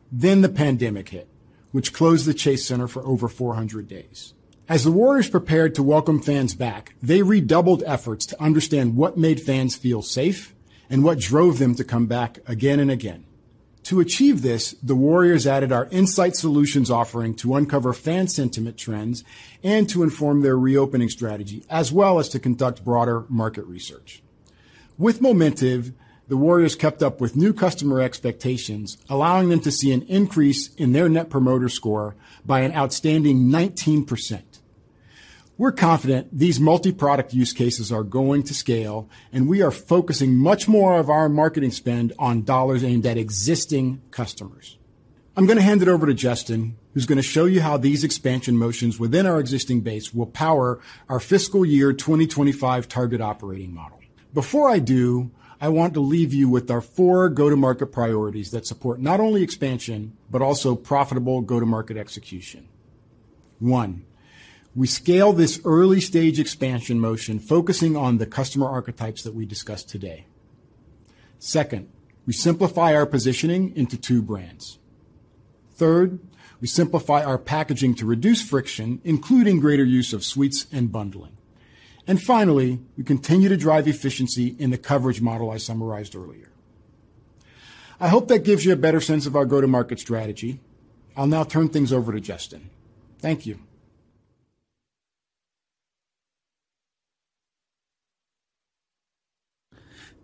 The pandemic hit, which closed the Chase Center for over 400 days. As the Warriors prepared to welcome fans back, they redoubled efforts to understand what made fans feel safe and what drove them to come back again and again. To achieve this, the Warriors added our insight solutions offering to uncover fan sentiment trends and to inform their reopening strategy, as well as to conduct broader market research. With Momentive, the Warriors kept up with new customer expectations, allowing them to see an increase in their net promoter score by an outstanding 19%. We're confident these multi-product use cases are going to scale, and we are focusing much more of our marketing spend on dollars aimed at existing customers. I'm going to hand it over to Justin, who's going to show you how these expansion motions within our existing base will power our fiscal year 2025 target operating model. Before I do, I want to leave you with our four go-to-market priorities that support not only expansion, but also profitable go-to-market execution. One, we scale this early-stage expansion motion, focusing on the customer archetypes that we discussed today. Second, we simplify our positioning into two brands. Third, we simplify our packaging to reduce friction, including greater use of suites and bundling. Finally, we continue to drive efficiency in the coverage model I summarized earlier. I hope that gives you a better sense of our go-to-market strategy. I'll now turn things over to Justin. Thank you.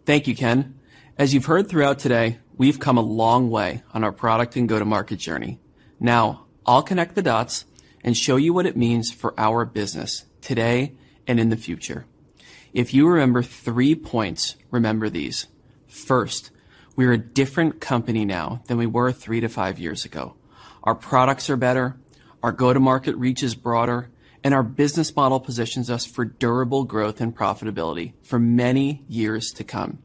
Thank you, Ken. As you've heard throughout today, we've come a long way on our product and go-to-market journey. Now, I'll connect the dots and show you what it means for our business today and in the future. If you remember three points, remember these. First, we're a different company now than we were three to five years ago. Our products are better, our go-to-market reach is broader, and our business model positions us for durable growth and profitability for many years to come.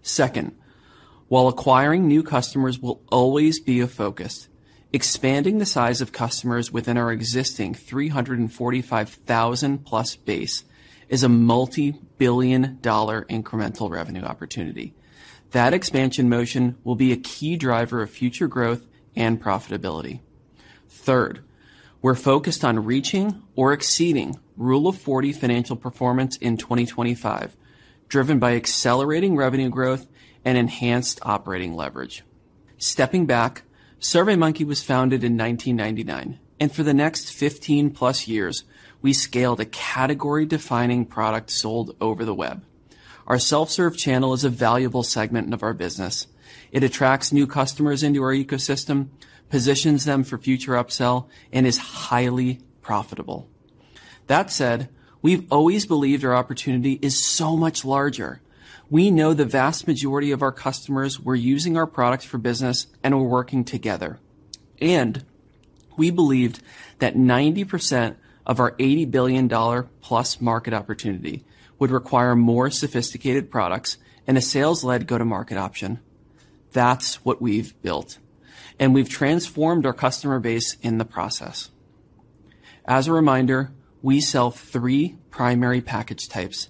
Second, while acquiring new customers will always be a focus, expanding the size of customers within our existing 345,000+ base is a multi-billion dollar incremental revenue opportunity. That expansion motion will be a key driver of future growth and profitability. We're focused on reaching or exceeding Rule of 40 financial performance in 2025, driven by accelerating revenue growth and enhanced operating leverage. Stepping back, SurveyMonkey was founded in 1999, and for the next 15+ years, we scaled a category-defining product sold over the web. Our self-serve channel is a valuable segment of our business. It attracts new customers into our ecosystem, positions them for future upsell, and is highly profitable. That said, we've always believed our opportunity is so much larger. We know the vast majority of our customers were using our products for business and were working together, and we believed that 90% of our $80 billion-plus market opportunity would require more sophisticated products and a sales-led go-to-market option. That's what we've built, and we've transformed our customer base in the process. As a reminder, we sell three primary package types,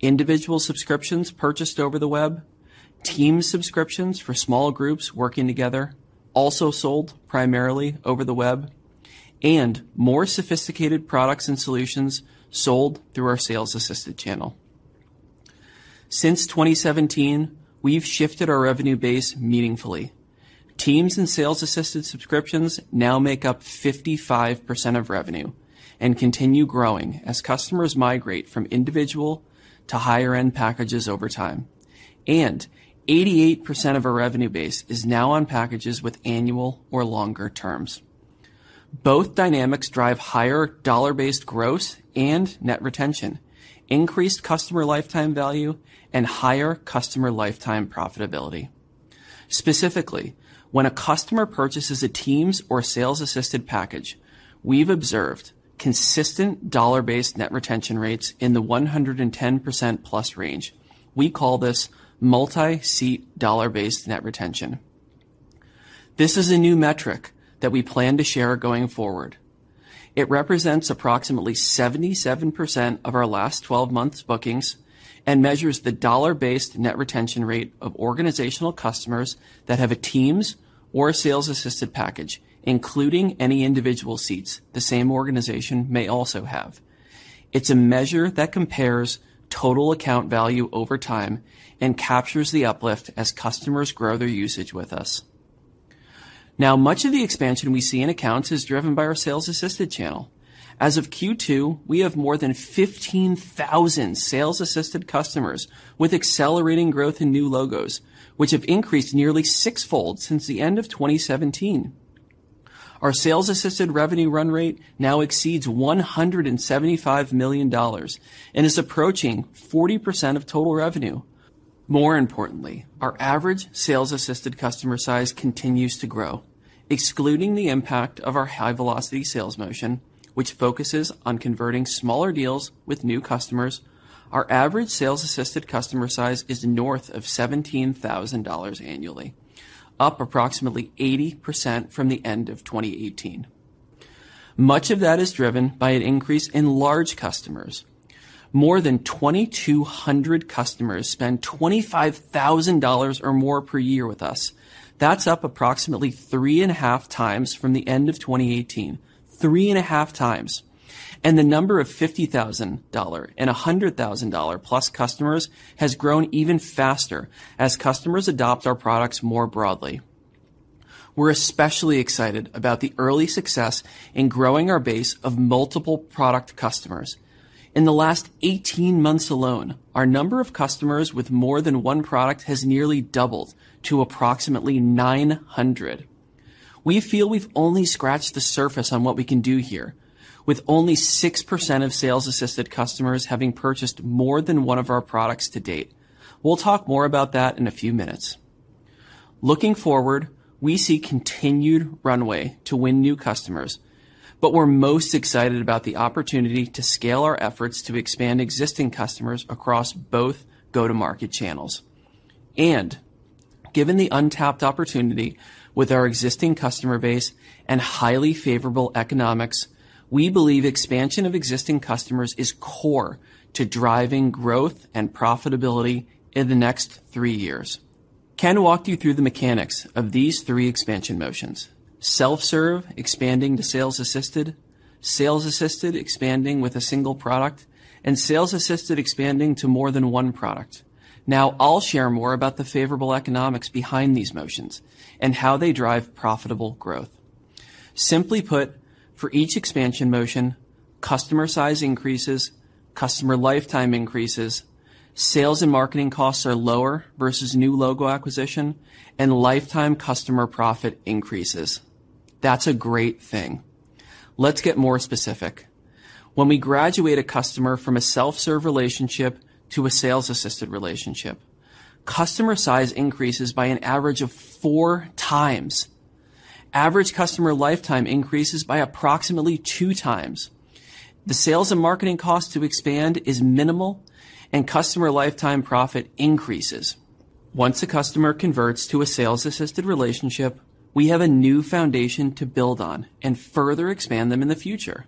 individual subscriptions purchased over the web, team subscriptions for small groups working together, also sold primarily over the web, and more sophisticated products and solutions sold through our sales assistant channel. Since 2017, we've shifted our revenue base meaningfully. Teams and sales assistance subscriptions now make up 55% of revenue and continue growing as customers migrate from individual to higher end packages over time. Eighty-eight percent of our revenue base is now on packages with annual or longer terms. Both dynamics drive higher dollar-based gross and net retention, increased customer lifetime value, and higher customer lifetime profitability. Specifically, when a customer purchases a teams or sales assisted package, we've observed consistent dollar-based net retention rates in the 110%+ range. We call this multi-seat dollar-based net retention. This is a new metric that we plan to share going forward. It represents approximately 77% of our last twelve months bookings and measures the dollar-based net retention rate of organizational customers that have a teams or a sales assistant package, including any individual seats the same organization may also have. It's a measure that compares total account value over time and captures the uplift as customers grow their usage with us. Now, much of the expansion we see in accounts is driven by our sales assistance channel. As of Q2, we have more than 15,000 sales assistance customers with accelerating growth in new logos, which have increased nearly six-fold since the end of 2017. Our sales assistant revenue run rate now exceeds $175 million and is approaching 40% of total revenue. More importantly, our average sales assisted customer size continues to grow. Excluding the impact of our high velocity sales motion, which focuses on converting smaller deals with new customers, our average sales assisted customer size is north of $17,000 annually, up approximately 80% from the end of 2018. Much of that is driven by an increase in large customers. More than 2,200 customers spend $25,000 or more per year with us. That's up approximately 3.5x from the end of 2018. 3.5x. The number of $50,000 and $100,000 plus customers has grown even faster as customers adopt our products more broadly. We're especially excited about the early success in growing our base of multiple product customers. In the last 18 months alone, our number of customers with more than one product has nearly doubled to approximately 900. We feel we've only scratched the surface on what we can do here, with only 6% of sales assisted customers having purchased more than one of our products to date. We'll talk more about that in a few minutes. Looking forward, we see continued runway to win new customers, but we're most excited about the opportunity to scale our efforts to expand existing customers across both go-to-market channels. Given the untapped opportunity with our existing customer base and highly favorable economics, we believe expansion of existing customers is core to driving growth and profitability in the next three-years. Ken walked you through the mechanics of these three expansion motions. Self-serve expanding to sales assisted, sales assisted expanding with a single product, and sales assisted expanding to more than one product. Now I'll share more about the favorable economics behind these motions and how they drive profitable growth. Simply put, for each expansion motion, customer size increases, customer lifetime increases, sales and marketing costs are lower versus new logo acquisition, and lifetime customer profit increases. That's a great thing. Let's get more specific. When we graduate a customer from a self-serve relationship to a sales assisted relationship, customer size increases by an average of four times. Average customer lifetime increases by approximately two times. The sales and marketing cost to expand is minimal and customer lifetime profit increases. Once a customer converts to a sales assisted relationship, we have a new foundation to build on and further expand them in the future.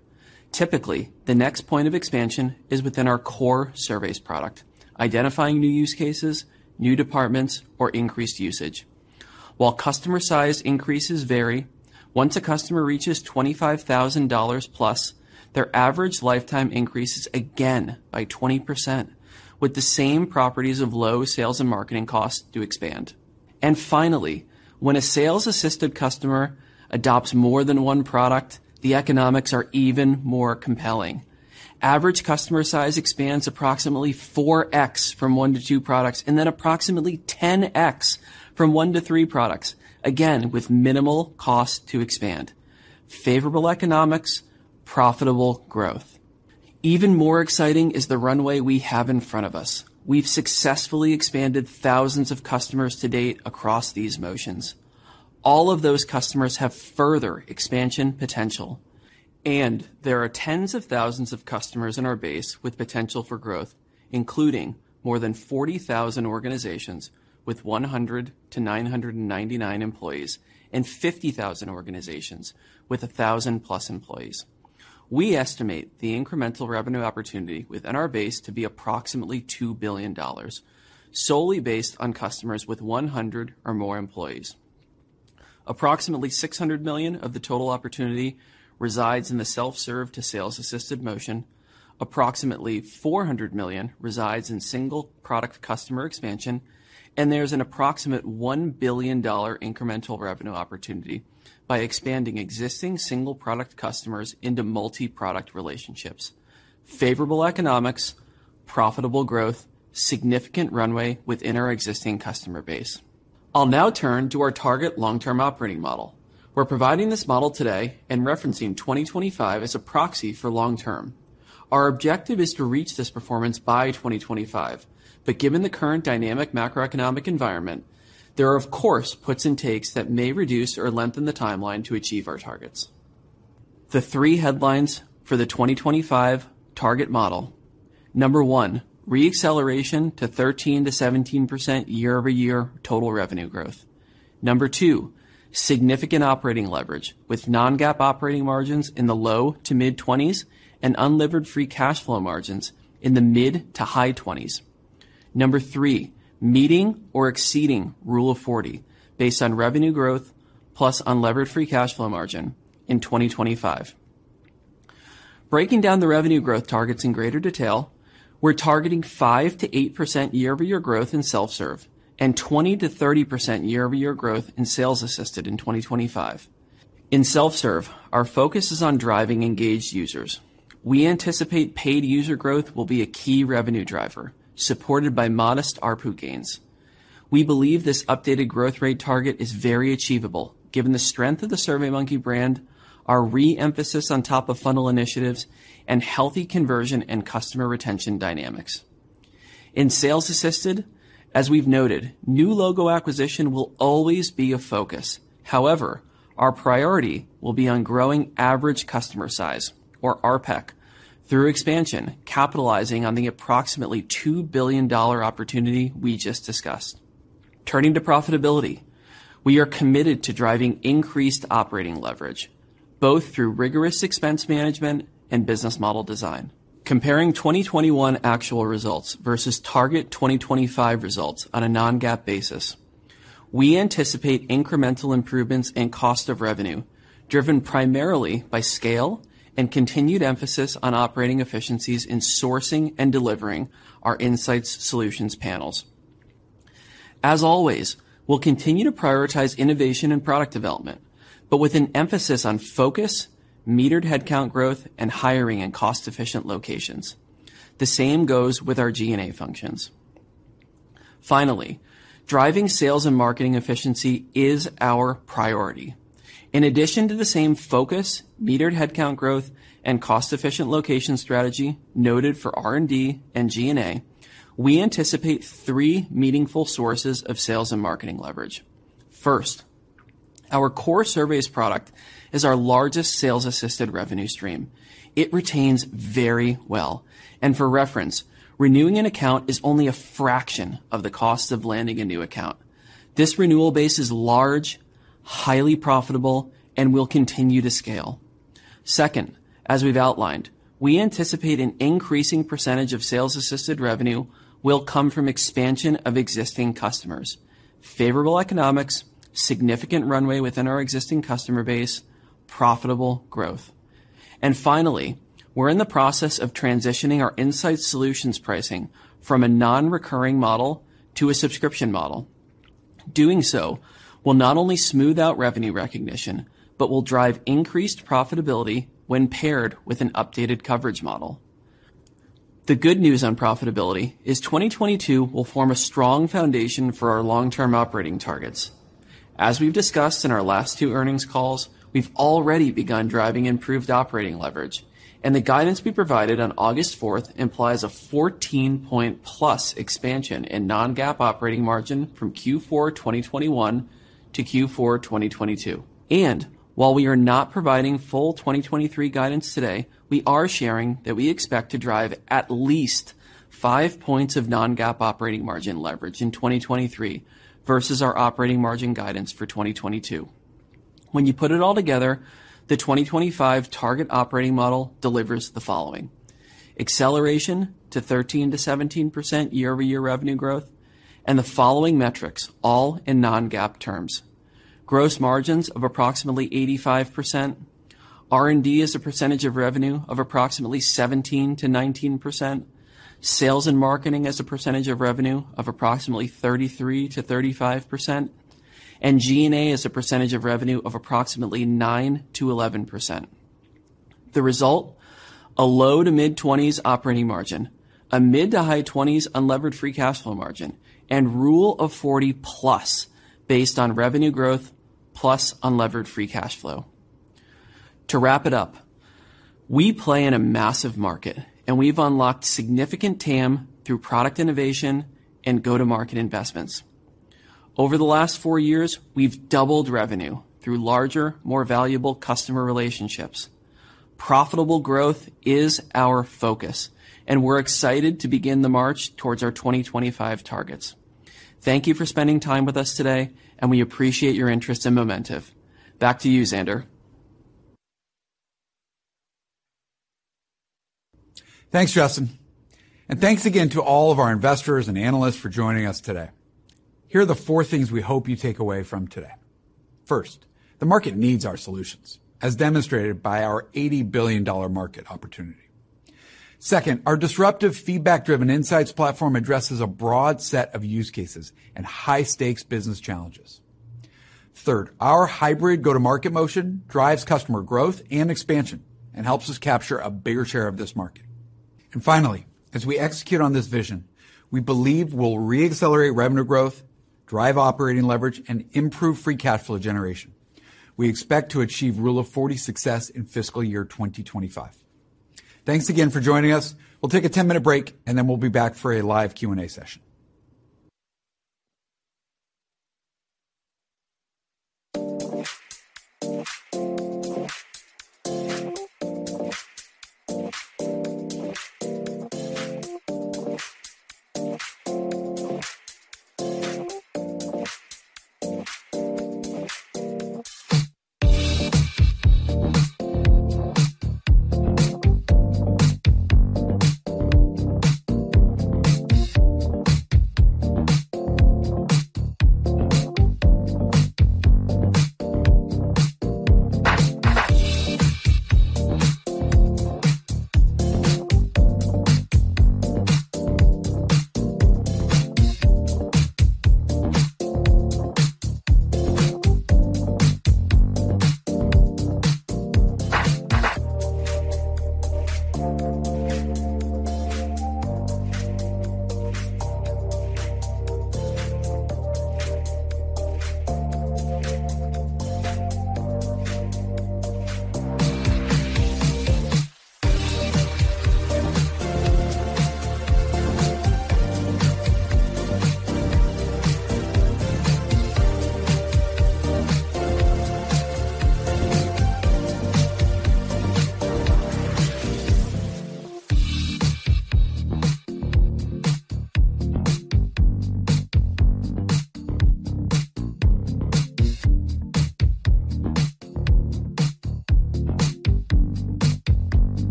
Typically, the next point of expansion is within our core surveys product, identifying new use cases, new departments, or increased usage. While customer size increases vary. Once a customer reaches $25,000 plus, their average lifetime increases again by 20% with the same properties of low sales and marketing costs to expand. Finally, when a sales-assisted customer adopts more than one product, the economics are even more compelling. Average customer size expands approximately 4x from one to two products, and then approximately 10x from one to three products, again, with minimal cost to expand. Favorable economics, profitable growth. Even more exciting is the runway we have in front of us. We've successfully expanded thousands of customers to date across these motions. All of those customers have further expansion potential, and there are tens of thousands of customers in our base with potential for growth, including more than 40,000 organizations with 100-999 employees and 50,000 organizations with 1,000+ employees. We estimate the incremental revenue opportunity within our base to be approximately $2 billion, solely based on customers with 100 or more employees. Approximately $600 million of the total opportunity resides in the self-serve to sales-assisted motion. Approximately $400 million resides in single-product customer expansion, and there's an approximate $1 billion incremental revenue opportunity by expanding existing single-product customers into multi-product relationships. Favorable economics, profitable growth, significant runway within our existing customer base. I'll now turn to our target long-term operating model. We're providing this model today and referencing 2025 as a proxy for long term. Our objective is to reach this performance by 2025. Given the current dynamic macroeconomic environment, there are, of course, puts and takes that may reduce or lengthen the timeline to achieve our targets. The three headlines for the 2025 target model. Number one, re-acceleration to 13%-17% year-over-year total revenue growth. Number two, significant operating leverage with non-GAAP operating margins in the low- to mid-20s and unlevered free cash flow margins in the mid- to high 20s. Number three, meeting or exceeding Rule of 40 based on revenue growth plus unlevered free cash flow margin in 2025. Breaking down the revenue growth targets in greater detail, we're targeting 5%-8% year-over-year growth in self-serve and 20%-30% year-over-year growth in sales assisted in 2025. In self-serve, our focus is on driving engaged users. We anticipate paid user growth will be a key revenue driver, supported by modest ARPU gains. We believe this updated growth rate target is very achievable given the strength of the SurveyMonkey brand, our re-emphasis on top-of-funnel initiatives, and healthy conversion and customer retention dynamics. In sales assisted, as we've noted, new logo acquisition will always be a focus. However, our priority will be on growing average customer size or ARPEC through expansion, capitalizing on the approximately $2 billion opportunity we just discussed. Turning to profitability, we are committed to driving increased operating leverage, both through rigorous expense management and business model design. Comparing 2021 actual results versus target 2025 results on a non-GAAP basis, we anticipate incremental improvements in cost of revenue driven primarily by scale and continued emphasis on operating efficiencies in sourcing and delivering our insights solutions panels. As always, we'll continue to prioritize innovation and product development, but with an emphasis on focus, metered headcount growth, and hiring in cost-efficient locations. The same goes with our G&A functions. Finally, driving sales and marketing efficiency is our priority. In addition to the same focus, metered headcount growth, and cost-efficient location strategy noted for R&D and G&A, we anticipate three meaningful sources of sales and marketing leverage. First, our core surveys product is our largest sales-assisted revenue stream. It retains very well. For reference, renewing an account is only a fraction of the cost of landing a new account. This renewal base is large, highly profitable, and will continue to scale. Second, as we've outlined, we anticipate an increasing percentage of sales-assisted revenue will come from expansion of existing customers. Favorable economics, significant runway within our existing customer base, profitable growth. Finally, we're in the process of transitioning our insight solutions pricing from a non-recurring model to a subscription model. Doing so will not only smooth out revenue recognition but will drive increased profitability when paired with an updated coverage model. The good news on profitability is 2022 will form a strong foundation for our long-term operating targets. As we've discussed in our last two earnings calls, we've already begun driving improved operating leverage, and the guidance we provided on August 4 implies a 14-point + expansion in non-GAAP operating margin from Q4 2021 to Q4 2022. While we are not providing full 2023 guidance today, we are sharing that we expect to drive at least five points of non-GAAP operating margin leverage in 2023 versus our operating margin guidance for 2022. When you put it all together, the 2025 target operating model delivers the following. Acceleration to 13%-17% year-over-year revenue growth, and the following metrics, all in non-GAAP terms. Gross margins of approximately 85%. R&D as a percentage of revenue of approximately 17%-19%. Sales and marketing as a percentage of revenue of approximately 33%-35%. G&A as a percentage of revenue of approximately 9%-11%. The result, a low- to mid-20s operating margin, a mid- to high 20s unlevered free cash flow margin, and Rule of 40+ based on revenue growth plus unlevered free cash flow. To wrap it up, we play in a massive market, and we've unlocked significant TAM through product innovation and go-to-market investments. Over the last four-years, we've doubled revenue through larger, more valuable customer relationships. Profitable growth is our focus, and we're excited to begin the march towards our 2025 targets. Thank you for spending time with us today, and we appreciate your interest in Momentive. Back to you, Zander. Thanks, Justin. Thanks again to all of our investors and analysts for joining us today. Here are the four things we hope you take away from today. First, the market needs our solutions, as demonstrated by our $80 billion market opportunity. Second, our disruptive feedback-driven insights platform addresses a broad set of use cases and high-stakes business challenges. Third, our hybrid go-to-market motion drives customer growth and expansion and helps us capture a bigger share of this market. Finally, as we execute on this vision, we believe we'll re-accelerate revenue growth, drive operating leverage, and improve free cash flow generation. We expect to achieve Rule of 40 success in fiscal year 2025. Thanks again for joining us. We'll take a 10-minute break, and then we'll be back for a live Q&A session.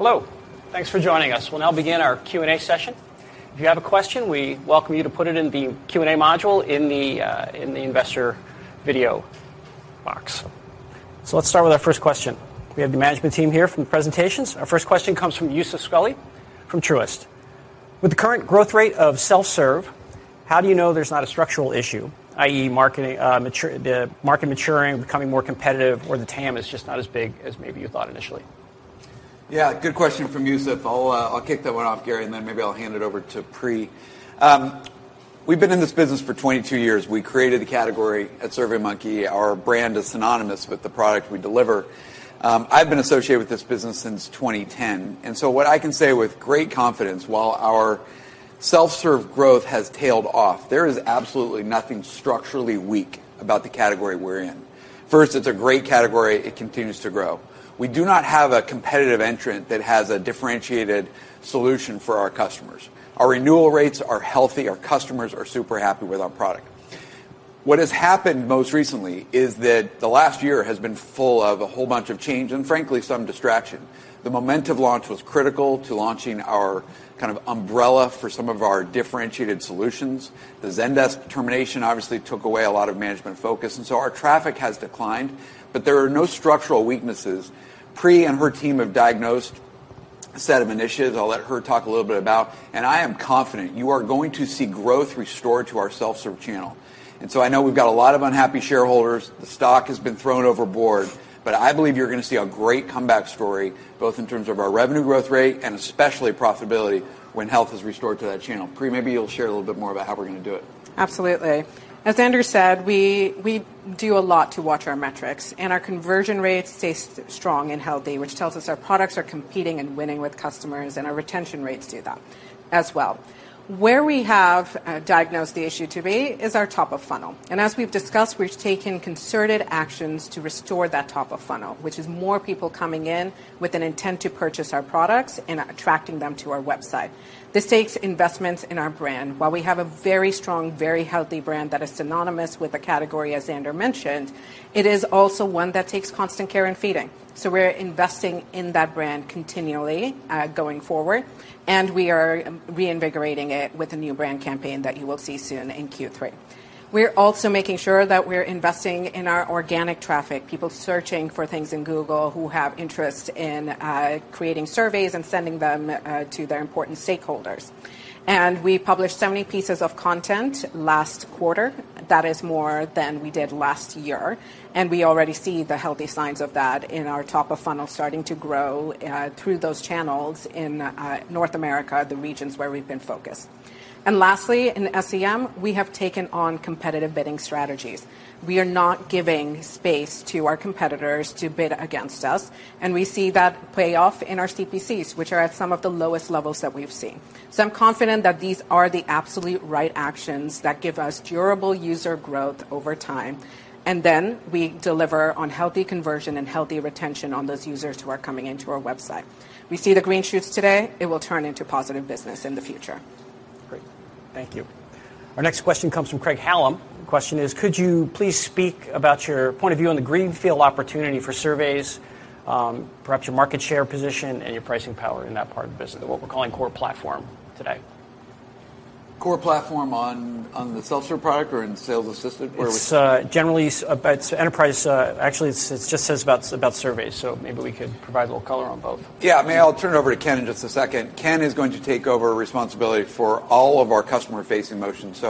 Hello. Thanks for joining us. We'll now begin our Q&A session. If you have a question, we welcome you to put it in the Q&A module in the investor video box. Let's start with our first question. We have the management team here from the presentations. Our first question comes from Youssef Squali from Truist. With the current growth rate of self-serve, how do you know there's not a structural issue, i.e., marketing, the market maturing, becoming more competitive, or the TAM is just not as big as maybe you thought initially? Yeah, good question from Youssef. I'll kick that one off, Gary, and then maybe I'll hand it over to Pri. We've been in this business for 22 years. We created the category at SurveyMonkey. Our brand is synonymous with the product we deliver. I've been associated with this business since 2010, and so what I can say with great confidence, while our self-serve growth has tailed off, there is absolutely nothing structurally weak about the category we're in. First, it's a great category. It continues to grow. We do not have a competitive entrant that has a differentiated solution for our customers. Our renewal rates are healthy. Our customers are super happy with our product. What has happened most recently is that the last year has been full of a whole bunch of change and frankly, some distraction. The Momentive launch was critical to launching our kind of umbrella for some of our differentiated solutions. The Zendesk determination obviously took away a lot of management focus, and so our traffic has declined. There are no structural weaknesses. Pri and her team have diagnosed a set of initiatives I'll let her talk a little bit about, and I am confident you are going to see growth restored to our self-serve channel. I know we've got a lot of unhappy shareholders. The stock has been thrown overboard, but I believe you're gonna see a great comeback story, both in terms of our revenue growth rate and especially profitability when health is restored to that channel. Pri, maybe you'll share a little bit more about how we're gonna do it. Absolutely. As Zander said, we do a lot to watch our metrics, and our conversion rates stay strong and healthy, which tells us our products are competing and winning with customers, and our retention rates do that as well. Where we have diagnosed the issue to be is our top of funnel. As we've discussed, we've taken concerted actions to restore that top of funnel, which is more people coming in with an intent to purchase our products and attracting them to our website. This takes investments in our brand. While we have a very strong, very healthy brand that is synonymous with the category, as Zander mentioned, it is also one that takes constant care and feeding. We're investing in that brand continually, going forward, and we are reinvigorating it with a new brand campaign that you will see soon in Q3. We're also making sure that we're investing in our organic traffic, people searching for things in Google who have interest in creating surveys and sending them to their important stakeholders. We published so many pieces of content last quarter. That is more than we did last year, and we already see the healthy signs of that in our top of funnel starting to grow through those channels in North America, the regions where we've been focused. Lastly, in SEM, we have taken on competitive bidding strategies. We are not giving space to our competitors to bid against us, and we see that pay off in our CPCs, which are at some of the lowest levels that we've seen. I'm confident that these are the absolute right actions that give us durable user growth over time, and then we deliver on healthy conversion and healthy retention on those users who are coming into our website. We see the green shoots today. It will turn into positive business in the future. Great. Thank you. Our next question comes from Craig-Hallum. The question is, could you please speak about your point of view on the greenfield opportunity for surveys, perhaps your market share position and your pricing power in that part of the business, what we're calling core platform today? Core platform on the self-serve product or in sales assisted? Where are we? It's generally about enterprise. Actually it just says about surveys, so maybe we could provide a little color on both. Yeah. I mean, I'll turn it over to Ken in just a second. Ken is going to take over responsibility for all of our customer-facing motions.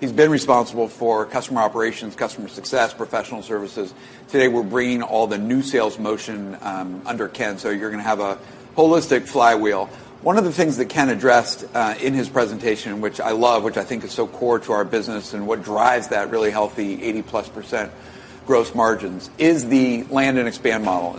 He's been responsible for customer operations, customer success, professional services. Today, we're bringing all the new sales motion under Ken, so you're gonna have a holistic flywheel. One of the things that Ken addressed in his presentation, which I love, which I think is so core to our business and what drives that really healthy 80%+ gross margins is the land and expand model.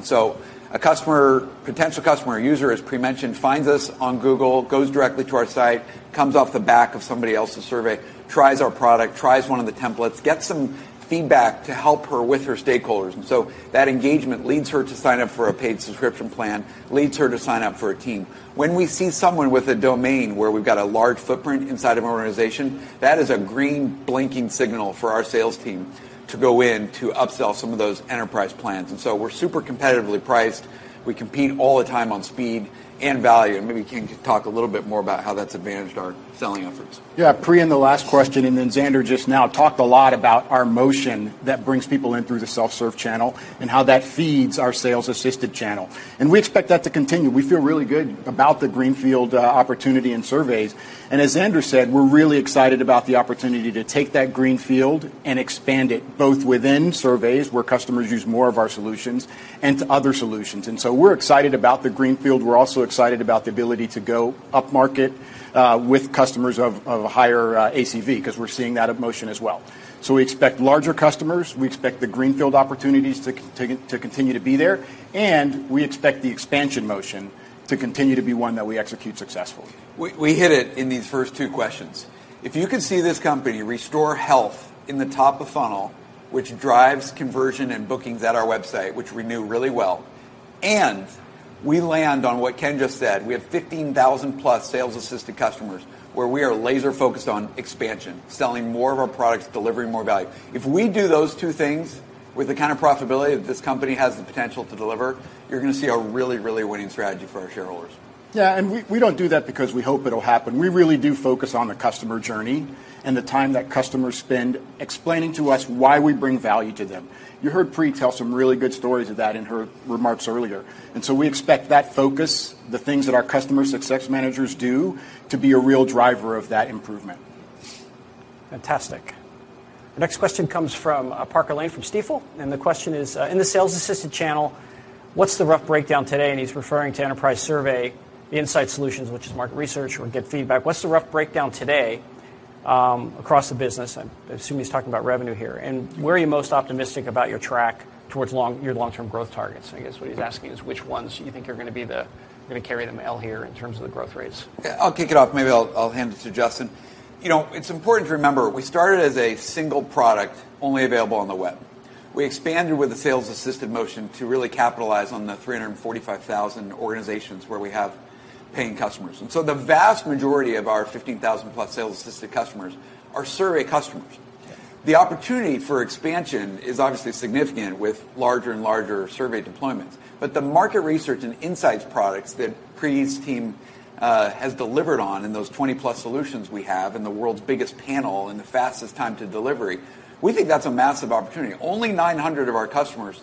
A customer, potential customer or user, as Pri mentioned, finds us on Google, goes directly to our site, comes off the back of somebody else's survey, tries our product, tries one of the templates, gets some feedback to help her with her stakeholders, and so that engagement leads her to sign up for a paid subscription plan, leads her to sign up for a team. When we see someone with a domain where we've got a large footprint inside of an organization, that is a green blinking signal for our sales team to go in to upsell some of those enterprise plans. We're super competitively priced. We compete all the time on speed and value, and maybe Ken can talk a little bit more about how that's advantaged our selling efforts. Yeah. Pri, in the last question, and then Zander just now talked a lot about our motion that brings people in through the self-serve channel and how that feeds our sales-assisted channel, and we expect that to continue. We feel really good about the greenfield opportunity and surveys. As Zander said, we're really excited about the opportunity to take that greenfield and expand it both within surveys, where customers use more of our solutions, and to other solutions. We're excited about the greenfield. We're also excited about the ability to go upmarket with customers of a higher ACV 'cause we're seeing that of motion as well. We expect larger customers. We expect the greenfield opportunities to continue to be there, and we expect the expansion motion to continue to be one that we execute successfully. We hit it in these first two questions. If you could see this company restore health in the top of funnel, which drives conversion and bookings at our website, which renew really well, and we land on what Ken just said, we have 15,000+ sales assisted customers, where we are laser focused on expansion, selling more of our products, delivering more value. If we do those two things with the kind of profitability that this company has the potential to deliver, you're gonna see a really, really winning strategy for our shareholders. Yeah. We don't do that because we hope it'll happen. We really do focus on the customer journey and the time that customers spend explaining to us why we bring value to them. You heard Priyanka tell some really good stories of that in her remarks earlier. We expect that focus, the things that our customer success managers do, to be a real driver of that improvement. Fantastic. The next question comes from Parker Lane from Stifel, and the question is, In the sales assistant channel, what's the rough breakdown today? He's referring to enterprise survey insight solutions, which is market research or GetFeedback. What's the rough breakdown today across the business? I assume he's talking about revenue here. Where are you most optimistic about your track towards your long-term growth targets? I guess what he's asking is which ones you think are gonna carry the mail here in terms of the growth rates. Yeah, I'll kick it off. Maybe I'll hand it to Justin. You know, it's important to remember we started as a single product only available on the web. We expanded with the sales assistant motion to really capitalize on the 345,000 organizations where we have paying customers. The vast majority of our 15,000-plus sales assistant customers are survey customers. The opportunity for expansion is obviously significant with larger and larger survey deployments. The market research and insights products that Pri's team has delivered on in those 20-plus solutions we have and the world's biggest panel and the fastest time to delivery, we think that's a massive opportunity. Only 900 of our customers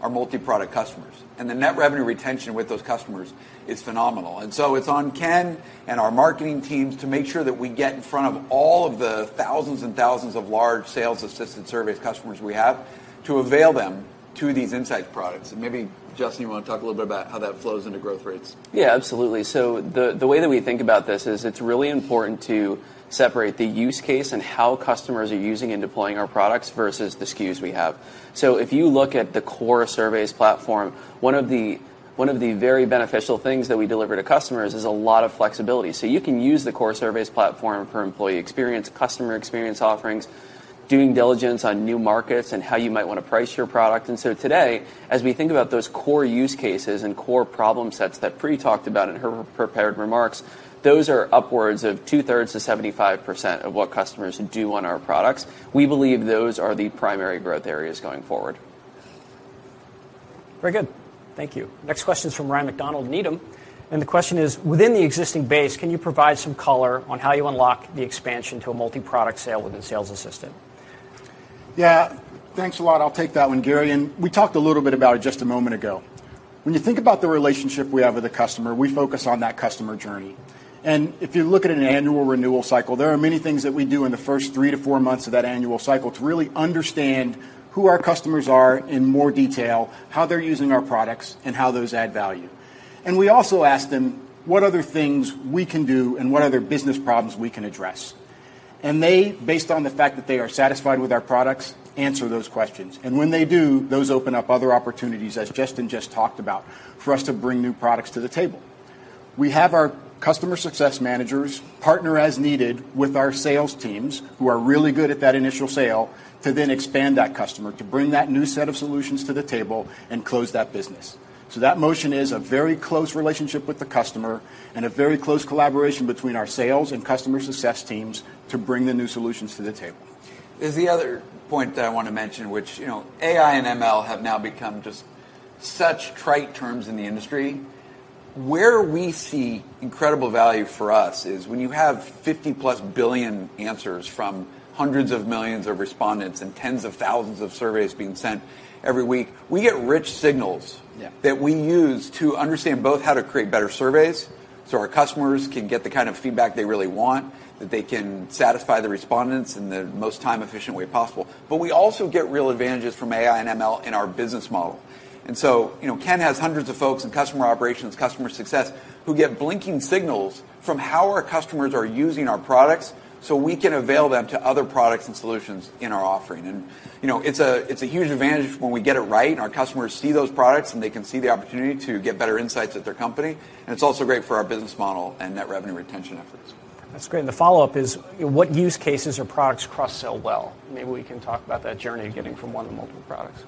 today are multi-product customers, and the net revenue retention with those customers is phenomenal. It's on Ken and our marketing teams to make sure that we get in front of all of the thousands and thousands of large Salesforce survey customers we have to avail them of these insight products. Maybe, Justin, you wanna talk a little bit about how that flows into growth rates. Yeah, absolutely. The way that we think about this is it's really important to separate the use case and how customers are using and deploying our products versus the SKUs we have. If you look at the core surveys platform, one of the very beneficial things that we deliver to customers is a lot of flexibility. You can use the core surveys platform for employee experience, customer experience offerings, due diligence on new markets and how you might wanna price your product. Today, as we think about those core use cases and core problem sets that Pri talked about in her prepared remarks, those are upwards of two-thirds to 75% of what customers do on our products. We believe those are the primary growth areas going forward. Very good. Thank you. Next question is from Ryan MacDonald, Needham, and the question is, Within the existing base, can you provide some color on how you unlock the expansion to a multi-product sale within sales assistant? Yeah. Thanks a lot. I'll take that one, Gary. We talked a little bit about it just a moment ago. When you think about the relationship we have with the customer, we focus on that customer journey. If you look at an annual renewal cycle, there are many things that we do in the first three-four months of that annual cycle to really understand who our customers are in more detail, how they're using our products, and how those add value. We also ask them what other things we can do and what other business problems we can address. They, based on the fact that they are satisfied with our products, answer those questions. When they do, those open up other opportunities, as Justin just talked about, for us to bring new products to the table. We have our customer success managers partner as needed with our sales teams, who are really good at that initial sale, to then expand that customer, to bring that new set of solutions to the table and close that business. That motion is a very close relationship with the customer and a very close collaboration between our sales and customer success teams to bring the new solutions to the table. There's the other point that I wanna mention, which, you know, AI and ML have now become just such trite terms in the industry. Where we see incredible value for us is when you have 50+ billion answers from hundreds of millions of respondents and tens of thousands of surveys being sent every week. We get rich signals. Yeah That we use to understand both how to create better surveys, so our customers can get the kind of feedback they really want, that they can satisfy the respondents in the most time-efficient way possible. We also get real advantages from AI and ML in our business model. You know, Ken has hundreds of folks in customer operations, customer success, who get blinking signals from how our customers are using our products, so we can avail them to other products and solutions in our offering. You know, it's a huge advantage when we get it right and our customers see those products, and they can see the opportunity to get better insights at their company. It's also great for our business model and net revenue retention efforts. That's great. The follow-up is what use cases or products cross-sell well? Maybe we can talk about that journey of getting from one to multiple products.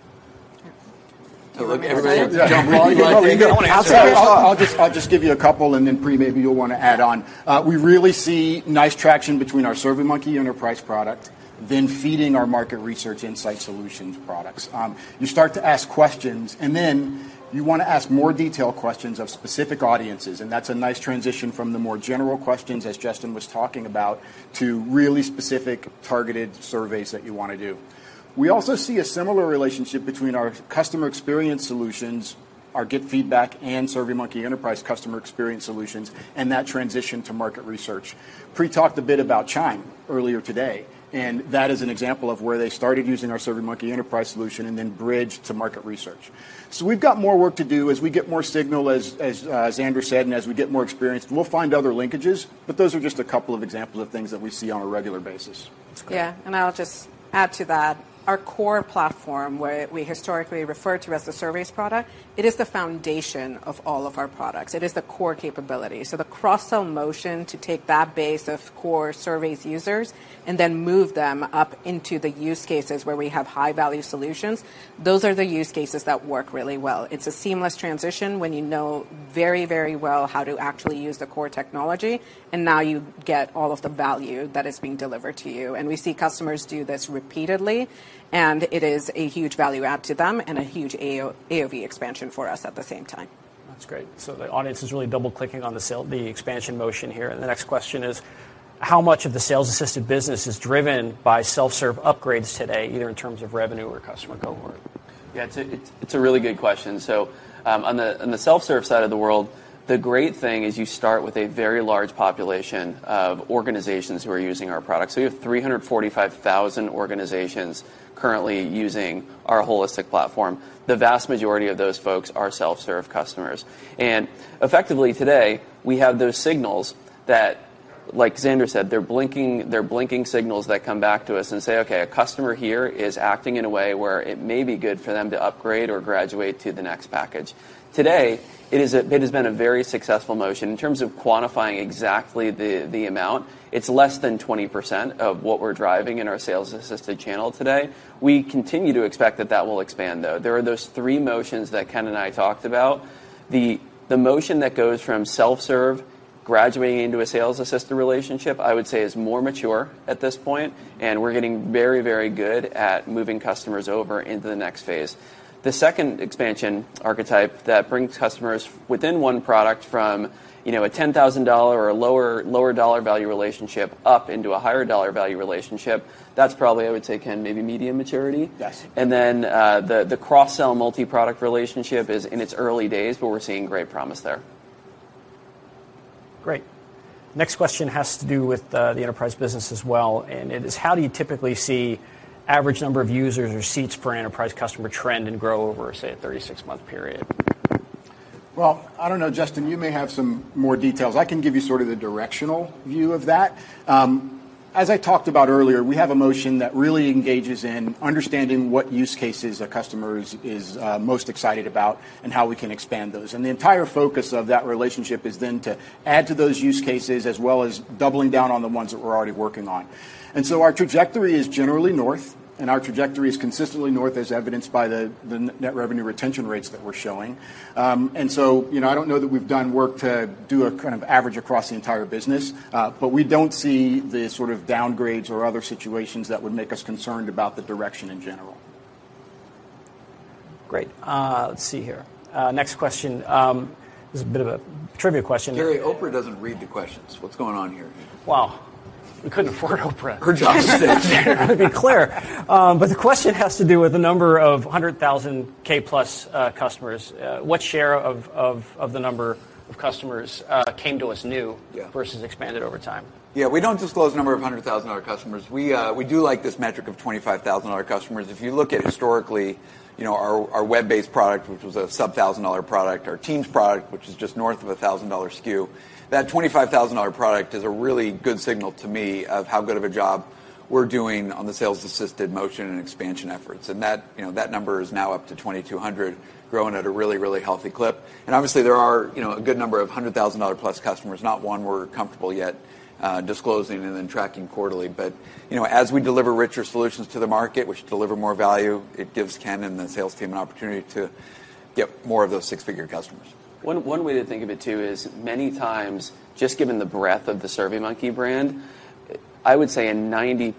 Look, everybody jump while you go. I'll just give you a couple, and then Pri, maybe you'll wanna add on. We really see nice traction between our SurveyMonkey Enterprise product, then feeding our market research insight solutions products. You start to ask questions, and then you wanna ask more detailed questions of specific audiences, and that's a nice transition from the more general questions, as Justin was talking about, to really specific, targeted surveys that you wanna do. We also see a similar relationship between our customer experience solutions, our GetFeedback and SurveyMonkey Enterprise customer experience solutions, and that transition to market research. Pri talked a bit about Chime earlier today, and that is an example of where they started using our SurveyMonkey Enterprise solution and then bridged to market research. We've got more work to do as we get more signal, as Zander said, and as we get more experience, and we'll find other linkages, but those are just a couple of examples of things that we see on a regular basis. That's great. Yeah. I'll just add to that. Our core platform, where we historically refer to as the surveys product, it is the foundation of all of our products. It is the core capability. The cross-sell motion to take that base of core surveys users and then move them up into the use cases where we have high-value solutions, those are the use cases that work really well. It's a seamless transition when you know very, very well how to actually use the core technology, and now you get all of the value that is being delivered to you. We see customers do this repeatedly, and it is a huge value add to them and a huge AOV expansion for us at the same time. That's great. The audience is really double-clicking on the sales, the expansion motion here. The next question is: How much of the sales-assisted business is driven by self-serve upgrades today, either in terms of revenue or customer cohort? Yeah. It's a really good question. On the self-serve side of the world, the great thing is you start with a very large population of organizations who are using our product. You have 345,000 organizations currently using our holistic platform. The vast majority of those folks are self-serve customers. Effectively, today, we have those signals that, like Zander said, they're blinking signals that come back to us and say, "Okay, a customer here is acting in a way where it may be good for them to upgrade or graduate to the next package." Today, it has been a very successful motion. In terms of quantifying exactly the amount, it's less than 20% of what we're driving in our sales assisted channel today. We continue to expect that will expand, though. There are those three motions that Ken and I talked about. The motion that goes from self-serve graduating into a sales assisted relationship, I would say is more mature at this point, and we're getting very, very good at moving customers over into the next phase. The second expansion archetype that brings customers within one product from, you know, a $10,000 or a lower dollar value relationship up into a higher dollar value relationship, that's probably, I would say, Ken, maybe medium maturity. Yes. The cross-sell multi-product relationship is in its early days, but we're seeing great promise there. Great. Next question has to do with the enterprise business as well, and it is: How do you typically see average number of users or seats per enterprise customer trend and grow over, say, a 36-month period? Well, I don't know, Justin, you may have some more details. I can give you sort of the directional view of that. As I talked about earlier, we have a motion that really engages in understanding what use cases a customer is most excited about and how we can expand those. The entire focus of that relationship is then to add to those use cases as well as doubling down on the ones that we're already working on. Our trajectory is generally north, and our trajectory is consistently north, as evidenced by the net revenue retention rates that we're showing. You know, I don't know that we've done work to do a kind of average across the entire business, but we don't see the sort of downgrades or other situations that would make us concerned about the direction in general. Great. Let's see here. Next question is a bit of a trivia question. Gary, Oprah doesn't read the questions. What's going on here? Well, we couldn't afford Oprah. Her job stink. To be clear. The question has to do with the number of 100,000+ customers. What share of the number of customers came to us new- Yeah Versus expanded over time? Yeah. We don't disclose the number of $100,000 customers. We do like this metric of $25,000 customers. If you look at historically, you know, our web-based product, which was a sub $1,000 product, our Teams product, which is just north of a $1,000 SKU, that $25,000 product is a really good signal to me of how good of a job we're doing on the sales assisted motion and expansion efforts. That number is now up to 2,200, growing at a really, really healthy clip. Obviously, there are, you know, a good number of $100,000 plus customers, not one we're comfortable yet disclosing and then tracking quarterly. You know, as we deliver richer solutions to the market, which deliver more value, it gives Ken and the sales team an opportunity to get more of those six-figure customers. One way to think of it, too, is many times, just given the breadth of the SurveyMonkey brand, I would say in 90%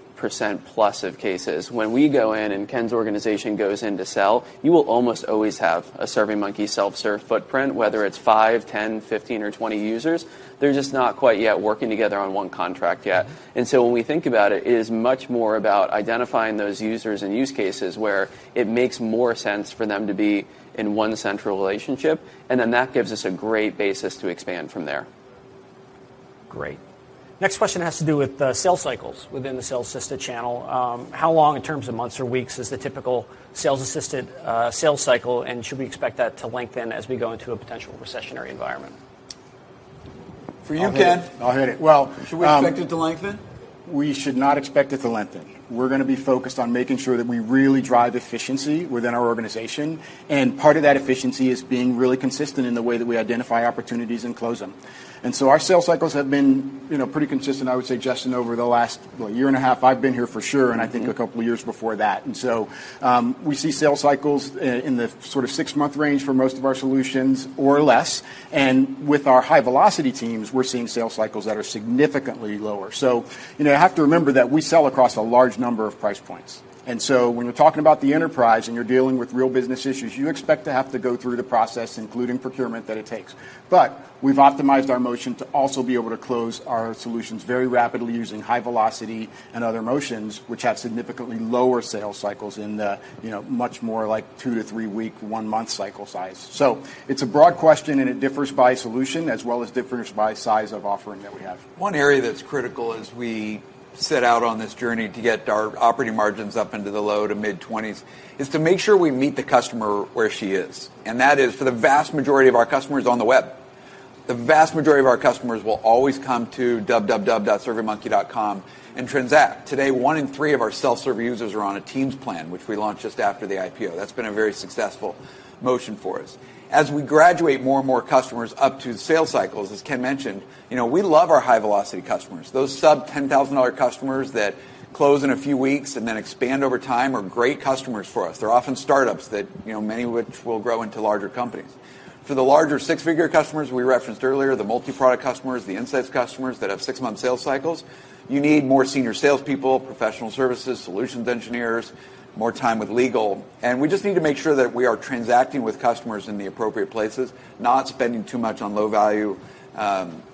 plus of cases, when we go in and Ken's organization goes in to sell, you will almost always have a SurveyMonkey self-serve footprint, whether it's five, 10, 15 or 20 users. They're just not quite yet working together on one contract yet. When we think about it is much more about identifying those users and use cases where it makes more sense for them to be in one central relationship, and then that gives us a great basis to expand from there. Great. Next question has to do with sales cycles within the sales assisted channel. How long in terms of months or weeks is the typical sales assisted sales cycle, and should we expect that to lengthen as we go into a potential recessionary environment? For you, Ken. I'll hit it. Well, Should we expect it to lengthen? We should not expect it to lengthen. We're gonna be focused on making sure that we really drive efficiency within our organization, and part of that efficiency is being really consistent in the way that we identify opportunities and close them. Our sales cycles have been, you know, pretty consistent, I would say, Justin, over the last year and a half I've been here for sure, and I think a couple of years before that. We see sales cycles in the sort of six-month range for most of our solutions or less. With our high velocity teams, we're seeing sales cycles that are significantly lower. You know, you have to remember that we sell across a large number of price points. When you're talking about the enterprise and you're dealing with real business issues, you expect to have to go through the process, including procurement that it takes. We've optimized our motion to also be able to close our solutions very rapidly using high velocity and other motions, which have significantly lower sales cycles in the, you know, much more like two-three week, one month cycle size. It's a broad question, and it differs by solution as well as differs by size of offering that we have. One area that's critical as we set out on this journey to get our operating margins up into the low- to mid-20s% is to make sure we meet the customer where she is, and that is for the vast majority of our customers on the web. The vast majority of our customers will always come to www.surveymonkey.com and transact. Today, 1/3 of our self-serve users are on a teams plan, which we launched just after the IPO. That's been a very successful motion for us. As we graduate more and more customers up to the sales cycles, as Ken mentioned, you know, we love our high velocity customers. Those sub-$10,000 customers that close in a few weeks and then expand over time are great customers for us. They're often startups that, you know, many of which will grow into larger companies. For the larger six-figure customers we referenced earlier, the multi-product customers, the insights customers that have six-month sales cycles, you need more senior sales people, professional services, solutions engineers, more time with legal. We just need to make sure that we are transacting with customers in the appropriate places, not spending too much on low value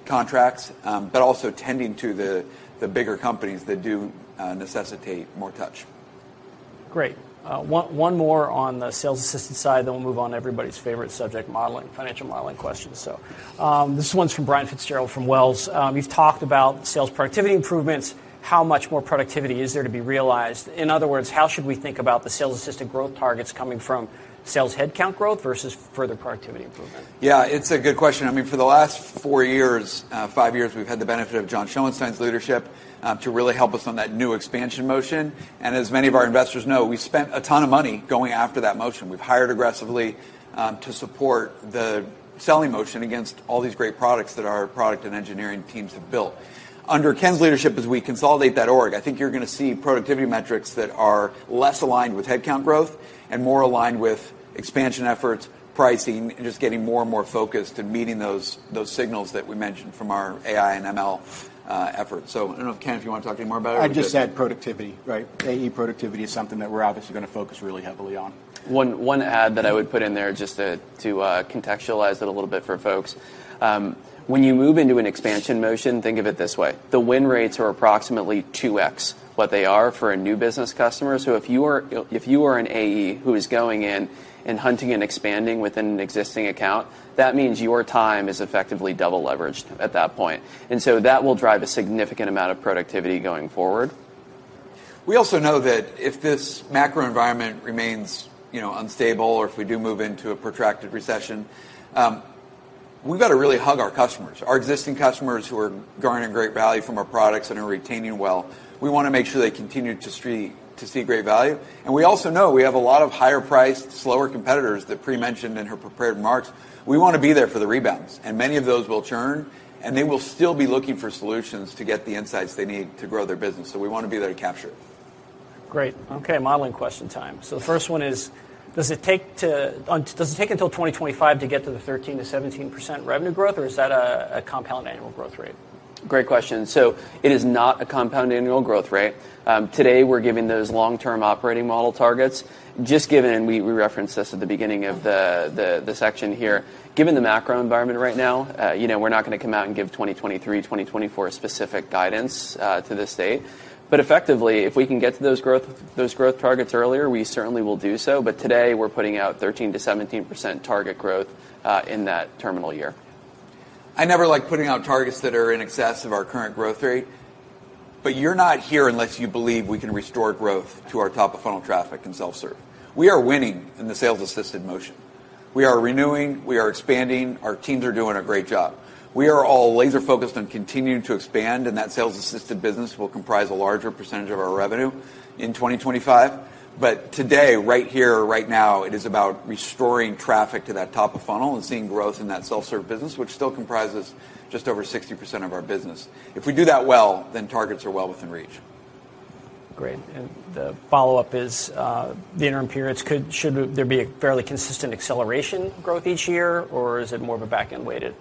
contracts, but also tending to the bigger companies that do necessitate more touch. Great. One more on the sales assistant side, then we'll move on to everybody's favorite subject, modeling, financial modeling questions. This one's from Brian Fitzgerald from Wells Fargo. You've talked about sales productivity improvements. How much more productivity is there to be realized? In other words, how should we think about the sales assistant growth targets coming from sales headcount growth versus further productivity improvement? Yeah, it's a good question. I mean, for the last four years, five-years, we've had the benefit of John Schoenstein's leadership, to really help us on that new expansion motion. As many of our investors know, we spent a ton of money going after that motion. We've hired aggressively, to support the selling motion against all these great products that our product and engineering teams have built. Under Ken's leadership, as we consolidate that org, I think you're gonna see productivity metrics that are less aligned with headcount growth and more aligned with expansion efforts, pricing, and just getting more and more focused and meeting those signals that we mentioned from our AI and ML efforts. I don't know if, Ken, if you wanna talk any more about it. I'd just add productivity, right? AE productivity is something that we're obviously gonna focus really heavily on. One add that I would put in there just to contextualize it a little bit for folks. When you move into an expansion motion, think of it this way. The win rates are approximately 2x what they are for a new business customer. If you are an AE who is going in and hunting and expanding within an existing account, that means your time is effectively double leveraged at that point. That will drive a significant amount of productivity going forward. We also know that if this macro environment remains, you know, unstable, or if we do move into a protracted recession, we've got to really hug our customers, our existing customers who are garnering great value from our products and are retaining well. We wanna make sure they continue to see great value. We also know we have a lot of higher-priced, slower competitors that Pri mentioned in her prepared remarks. We wanna be there for the rebounds, and many of those will churn, and they will still be looking for solutions to get the insights they need to grow their business. We wanna be there to capture it. Great. Okay, modeling question time. The first one is, does it take until 2025 to get to the 13%-17% revenue growth, or is that a compound annual growth rate? Great question. It is not a compound annual growth rate. Today we're giving those long-term operating model targets. Just given, we referenced this at the beginning of the section here. Given the macro environment right now, you know, we're not gonna come out and give 2023, 2024 specific guidance to date. Effectively, if we can get to those growth targets earlier, we certainly will do so. Today we're putting out 13%-17% target growth in that terminal year. I never like putting out targets that are in excess of our current growth rate. You're not here unless you believe we can restore growth to our top-of-funnel traffic in self-serve. We are winning in the sales-assisted motion. We are renewing. We are expanding. Our teams are doing a great job. We are all laser-focused on continuing to expand, and that sales-assisted business will comprise a larger percentage of our revenue in 2025. Today, right here, right now, it is about restoring traffic to that top of funnel and seeing growth in that self-serve business, which still comprises just over 60% of our business. If we do that well, then targets are well within reach. Great. The follow-up is, the interim periods, should there be a fairly consistent acceleration growth each year, or is it more of a back-end-weighted,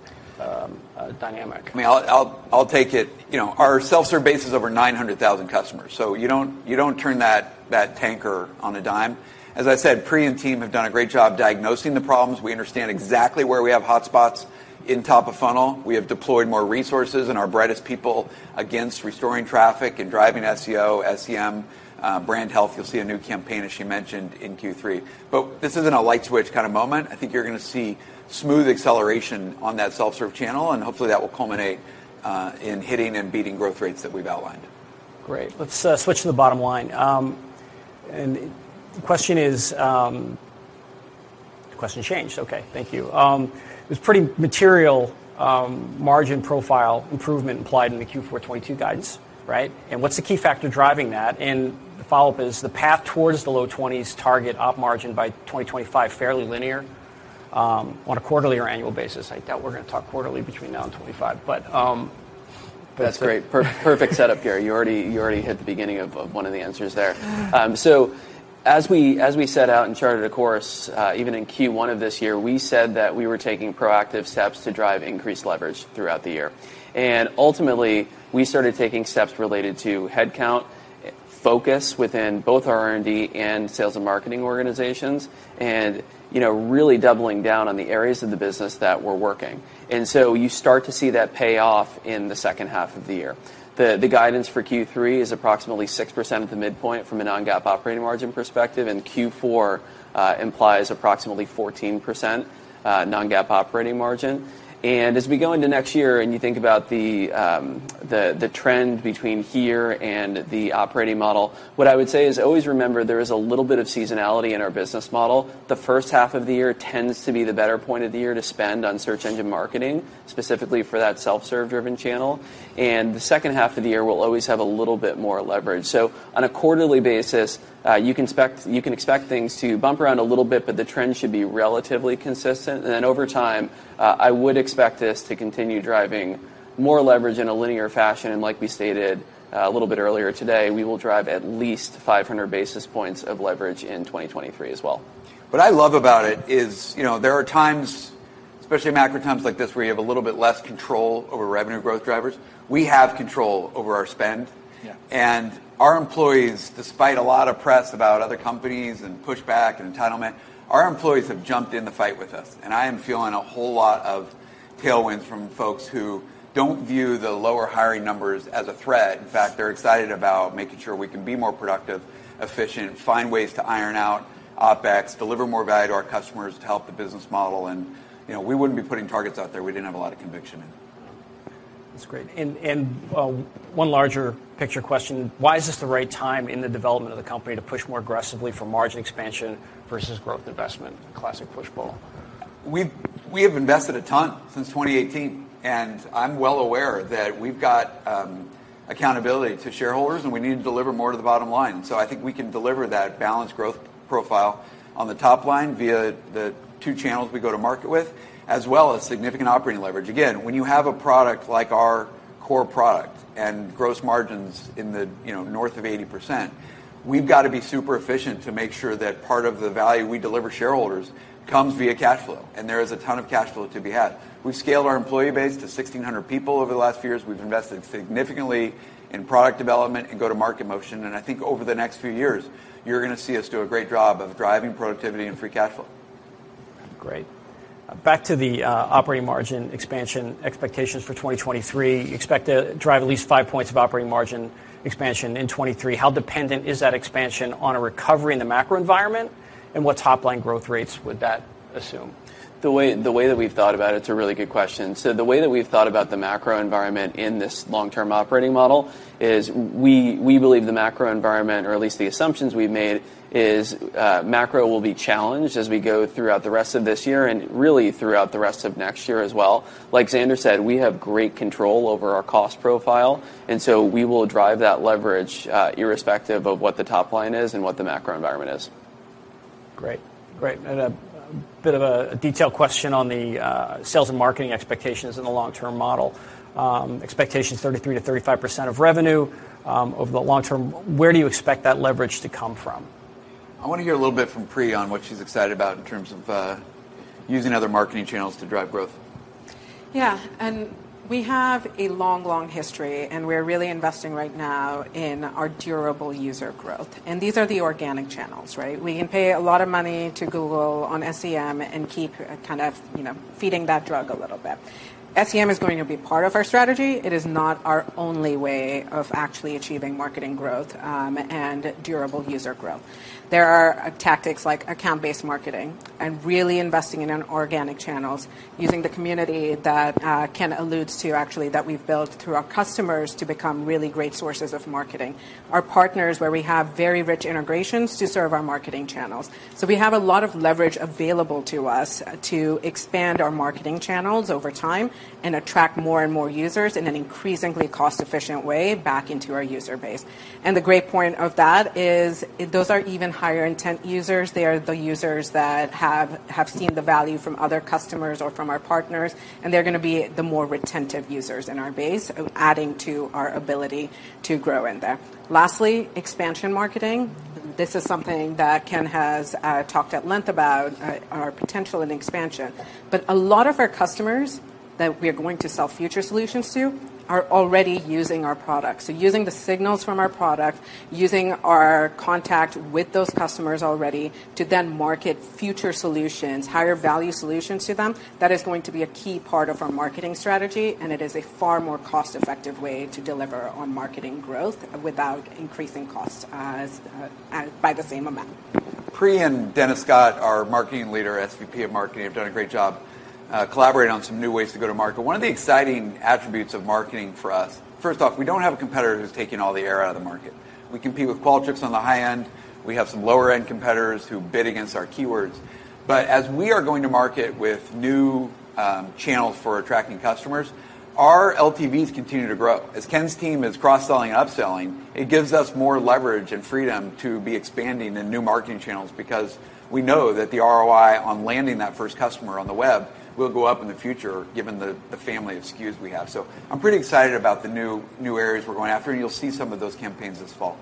dynamic? I mean, I'll take it. You know, our self-serve base is over 900,000 customers. You don't turn that tanker on a dime. As I said, Pri and team have done a great job diagnosing the problems. We understand exactly where we have hotspots in top of funnel. We have deployed more resources and our brightest people against restoring traffic and driving SEO, SEM, brand health. You'll see a new campaign, as she mentioned, in Q3. This isn't a light switch kinda moment. I think you're gonna see smooth acceleration on that self-serve channel, and hopefully that will culminate in hitting and beating growth rates that we've outlined. Great. Let's switch to the bottom line. The question changed. Okay, thank you. There's pretty material margin profile improvement implied in the Q4 2022 guidance, right? What's the key factor driving that? The follow-up is the path towards the low 20s target op margin by 2025 fairly linear on a quarterly or annual basis. I doubt we're gonna talk quarterly between now and 2025. That's great. Perfect setup, Gary. You already hit the beginning of one of the answers there. As we set out and charted a course, even in Q1 of this year, we said that we were taking proactive steps to drive increased leverage throughout the year. Ultimately, we started taking steps related to headcount, focus within both our R&D and sales and marketing organizations, and, you know, really doubling down on the areas of the business that were working. You start to see that pay off in the second half of the year. The guidance for Q3 is approximately 6% at the midpoint from a non-GAAP operating margin perspective, and Q4 implies approximately 14% non-GAAP operating margin. As we go into next year, and you think about the trend between here and the operating model, what I would say is always remember there is a little bit of seasonality in our business model. The first half of the year tends to be the better point of the year to spend on search engine marketing, specifically for that self-serve driven channel. The second half of the year will always have a little bit more leverage. On a quarterly basis, you can expect things to bump around a little bit, but the trend should be relatively consistent. Then over time, I would expect this to continue driving more leverage in a linear fashion. Like we stated, a little bit earlier today, we will drive at least 500 basis points of leverage in 2023 as well. What I love about it is, you know, there are times, especially macro times like this, where you have a little bit less control over revenue growth drivers. We have control over our spend. Yeah. Our employees, despite a lot of press about other companies and pushback and entitlement, our employees have jumped in the fight with us, and I am feeling a whole lot of tailwinds from folks who don't view the lower hiring numbers as a threat. In fact, they're excited about making sure we can be more productive, efficient, find ways to iron out OpEx, deliver more value to our customers to help the business model. You know, we wouldn't be putting targets out there if we didn't have a lot of conviction in it. That's great. One larger picture question, why is this the right time in the development of the company to push more aggressively for margin expansion versus growth investment? Classic push/pull. We have invested a ton since 2018, and I'm well aware that we've got accountability to shareholders, and we need to deliver more to the bottom line. I think we can deliver that balanced growth profile on the top line via the two channels we go to market with, as well as significant operating leverage. Again, when you have a product like our core product and gross margins in the you know north of 80%, we've got to be super efficient to make sure that part of the value we deliver shareholders comes via cash flow, and there is a ton of cash flow to be had. We've scaled our employee base to 1,600 people over the last few years. We've invested significantly in product development and go-to-market motion, and I think over the next few years, you're gonna see us do a great job of driving productivity and free cash flow. Great. Back to the operating margin expansion expectations for 2023. You expect to drive at least 5 points of operating margin expansion in 2023. How dependent is that expansion on a recovery in the macro environment, and what top line growth rates would that assume? The way that we've thought about it's a really good question. The way that we've thought about the macro environment in this long-term operating model is we believe the macro environment, or at least the assumptions we've made, is macro will be challenged as we go throughout the rest of this year and really throughout the rest of next year as well. Like Zander said, we have great control over our cost profile, and so we will drive that leverage, irrespective of what the top line is and what the macro environment is. Great. A bit of a detailed question on the sales and marketing expectations in the long-term model. Expectations 33%-35% of revenue over the long term. Where do you expect that leverage to come from? I want to hear a little bit from Pri on what she's excited about in terms of using other marketing channels to drive growth. Yeah. We have a long, long history, and we're really investing right now in our durable user growth, and these are the organic channels, right? We can pay a lot of money to Google on SEM and keep kind of, you know, feeding that ad a little bit. SEM is going to be part of our strategy. It is not our only way of actually achieving marketing growth, and durable user growth. There are tactics like account-based marketing and really investing in organic channels, using the community that Ken alludes to actually, that we've built through our customers to become really great sources of marketing, our partners, where we have very rich integrations to serve our marketing channels. We have a lot of leverage available to us to expand our marketing channels over time and attract more and more users in an increasingly cost-efficient way back into our user base. The great point of that is those are even higher intent users. They are the users that have seen the value from other customers or from our partners, and they're gonna be the more retentive users in our base, adding to our ability to grow in there. Lastly, expansion marketing. This is something that Ken has talked at length about, our potential in expansion. A lot of our customers that we are going to sell future solutions to are already using our products. Using the signals from our product, using our contact with those customers already to then market future solutions, higher value solutions to them, that is going to be a key part of our marketing strategy, and it is a far more cost-effective way to deliver on marketing growth without increasing costs as by the same amount. Pri and Dennis Scott, our marketing leader, SVP of Marketing, have done a great job, collaborating on some new ways to go to market. One of the exciting attributes of marketing for us, first off, we don't have a competitor who's taking all the air out of the market. We compete with Qualtrics on the high end. We have some lower-end competitors who bid against our keywords. As we are going to market with new, channels for attracting customers, our LTVs continue to grow. As Ken's team is cross-selling, upselling, it gives us more leverage and freedom to be expanding in new marketing channels because we know that the ROI on landing that first customer on the web will go up in the future given the family of SKUs we have. I'm pretty excited about the new areas we're going after, and you'll see some of those campaigns this fall.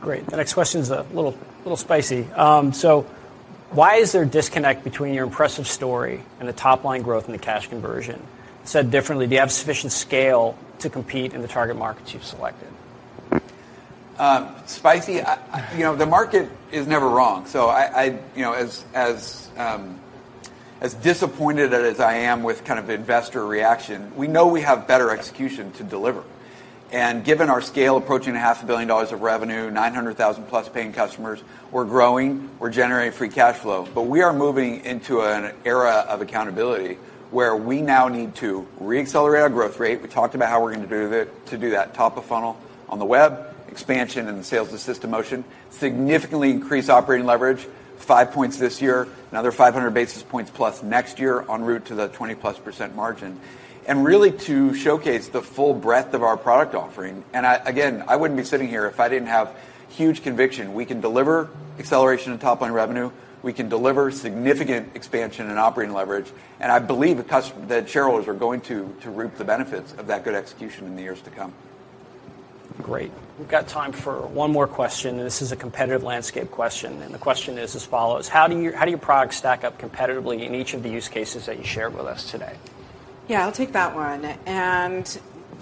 Great. The next question is a little spicy. Why is there a disconnect between your impressive story and the top-line growth and the cash conversion? Said differently, do you have sufficient scale to compete in the target markets you've selected? Spicy. I. You know, the market is never wrong. I, you know, as disappointed as I am with kind of investor reaction, we know we have better execution to deliver. Given our scale approaching half a billion dollars of revenue, 900,000-plus paying customers, we're growing, we're generating free cash flow. We are moving into an era of accountability where we now need to re-accelerate our growth rate. We talked about how we're gonna do that, to do that, top of funnel on the web, expansion in the sales system motion, significantly increase operating leverage, 5 points this year, another 500 basis points plus next year en route to the 20%+ margin, and really to showcase the full breadth of our product offering. I, again, I wouldn't be sitting here if I didn't have huge conviction. We can deliver acceleration in top-line revenue. We can deliver significant expansion in operating leverage. I believe that shareholders are going to reap the benefits of that good execution in the years to come. Great. We've got time for one more question, and this is a competitive landscape question, and the question is as follows: How do your products stack up competitively in each of the use cases that you shared with us today? Yeah, I'll take that one.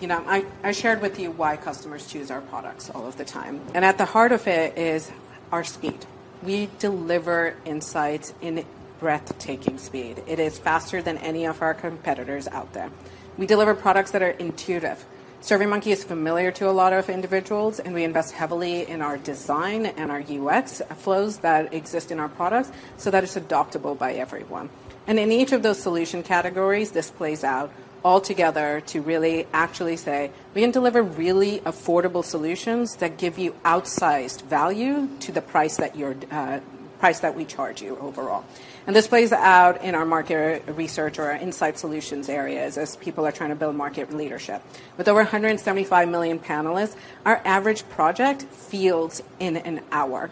You know, I shared with you why customers choose our products all of the time, and at the heart of it is our speed. We deliver insights in breathtaking speed. It is faster than any of our competitors out there. We deliver products that are intuitive. SurveyMonkey is familiar to a lot of individuals, and we invest heavily in our design and our UX flows that exist in our products so that it's adoptable by everyone. In each of those solution categories, this plays out all together to really actually say we can deliver really affordable solutions that give you outsized value to the price that we charge you overall. This plays out in our market research or our insight solutions areas as people are trying to build market leadership. With over 175 million panelists, our average project fields in an hour.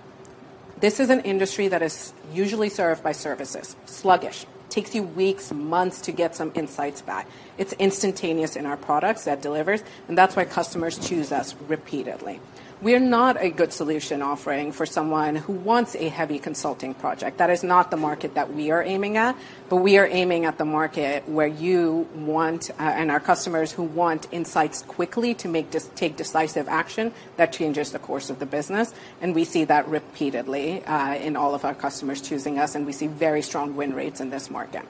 This is an industry that is usually served by sluggish services. It takes you weeks, months to get some insights back. It's instantaneous in our products that delivers, and that's why customers choose us repeatedly. We're not a good solution offering for someone who wants a heavy consulting project. That is not the market that we are aiming at, but we are aiming at the market where you want, and our customers who want insights quickly to take decisive action that changes the course of the business, and we see that repeatedly in all of our customers choosing us, and we see very strong win rates in this market.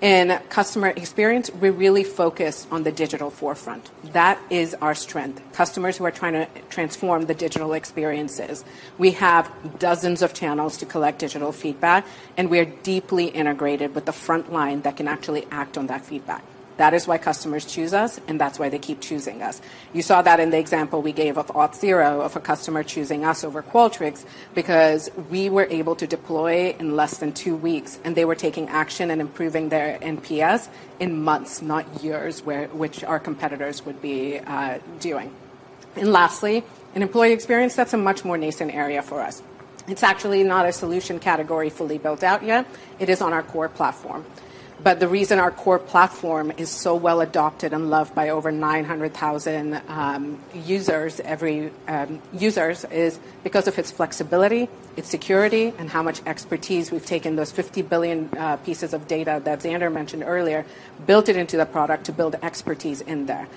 In customer experience, we really focus on the digital forefront. That is our strength. Customers who are trying to transform the digital experiences. We have dozens of channels to collect digital feedback, and we're deeply integrated with the front line that can actually act on that feedback. That is why customers choose us, and that's why they keep choosing us. You saw that in the example we gave of Auth0, of a customer choosing us over Qualtrics because we were able to deploy in less than two weeks, and they were taking action and improving their NPS in months, not years, which our competitors would be doing. Lastly, in employee experience, that's a much more nascent area for us. It's actually not a solution category fully built out yet. It is on our core platform. The reason our core platform is so well-adopted and loved by over 900,000 users is because of its flexibility, its security, and how much expertise we've taken those 50 billion pieces of data that Zander mentioned earlier, built it into the product to build expertise in there.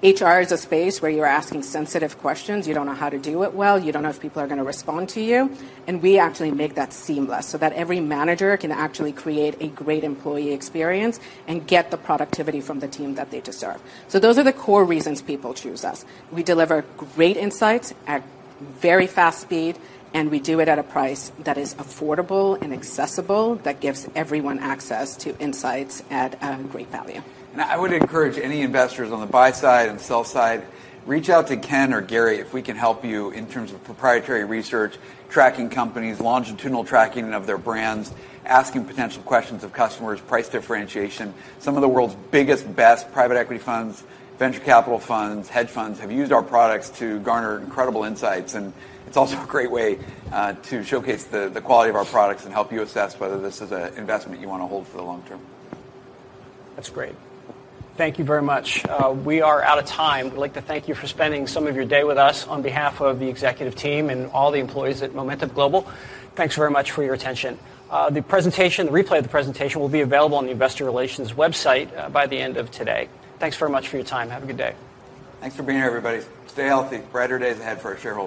HR is a space where you're asking sensitive questions. You don't know how to do it well. You don't know if people are gonna respond to you. We actually make that seamless, so that every manager can actually create a great employee experience and get the productivity from the team that they deserve. Those are the core reasons people choose us. We deliver great insights at very fast speed, and we do it at a price that is affordable and accessible that gives everyone access to insights at a great value. I would encourage any investors on the buy side and sell side, reach out to Ken or Gary if we can help you in terms of proprietary research, tracking companies, longitudinal tracking of their brands, asking potential questions of customers, price differentiation. Some of the world's biggest, best private equity funds, venture capital funds, hedge funds, have used our products to garner incredible insights. It's also a great way to showcase the quality of our products and help you assess whether this is an investment you wanna hold for the long term. That's great. Thank you very much. We are out of time. We'd like to thank you for spending some of your day with us. On behalf of the executive team and all the employees at Momentive Global, thanks very much for your attention. The presentation replay of the presentation will be available on the investor relations website, by the end of today. Thanks very much for your time. Have a good day. Thanks for being here, everybody. Stay healthy. Brighter days ahead for sure.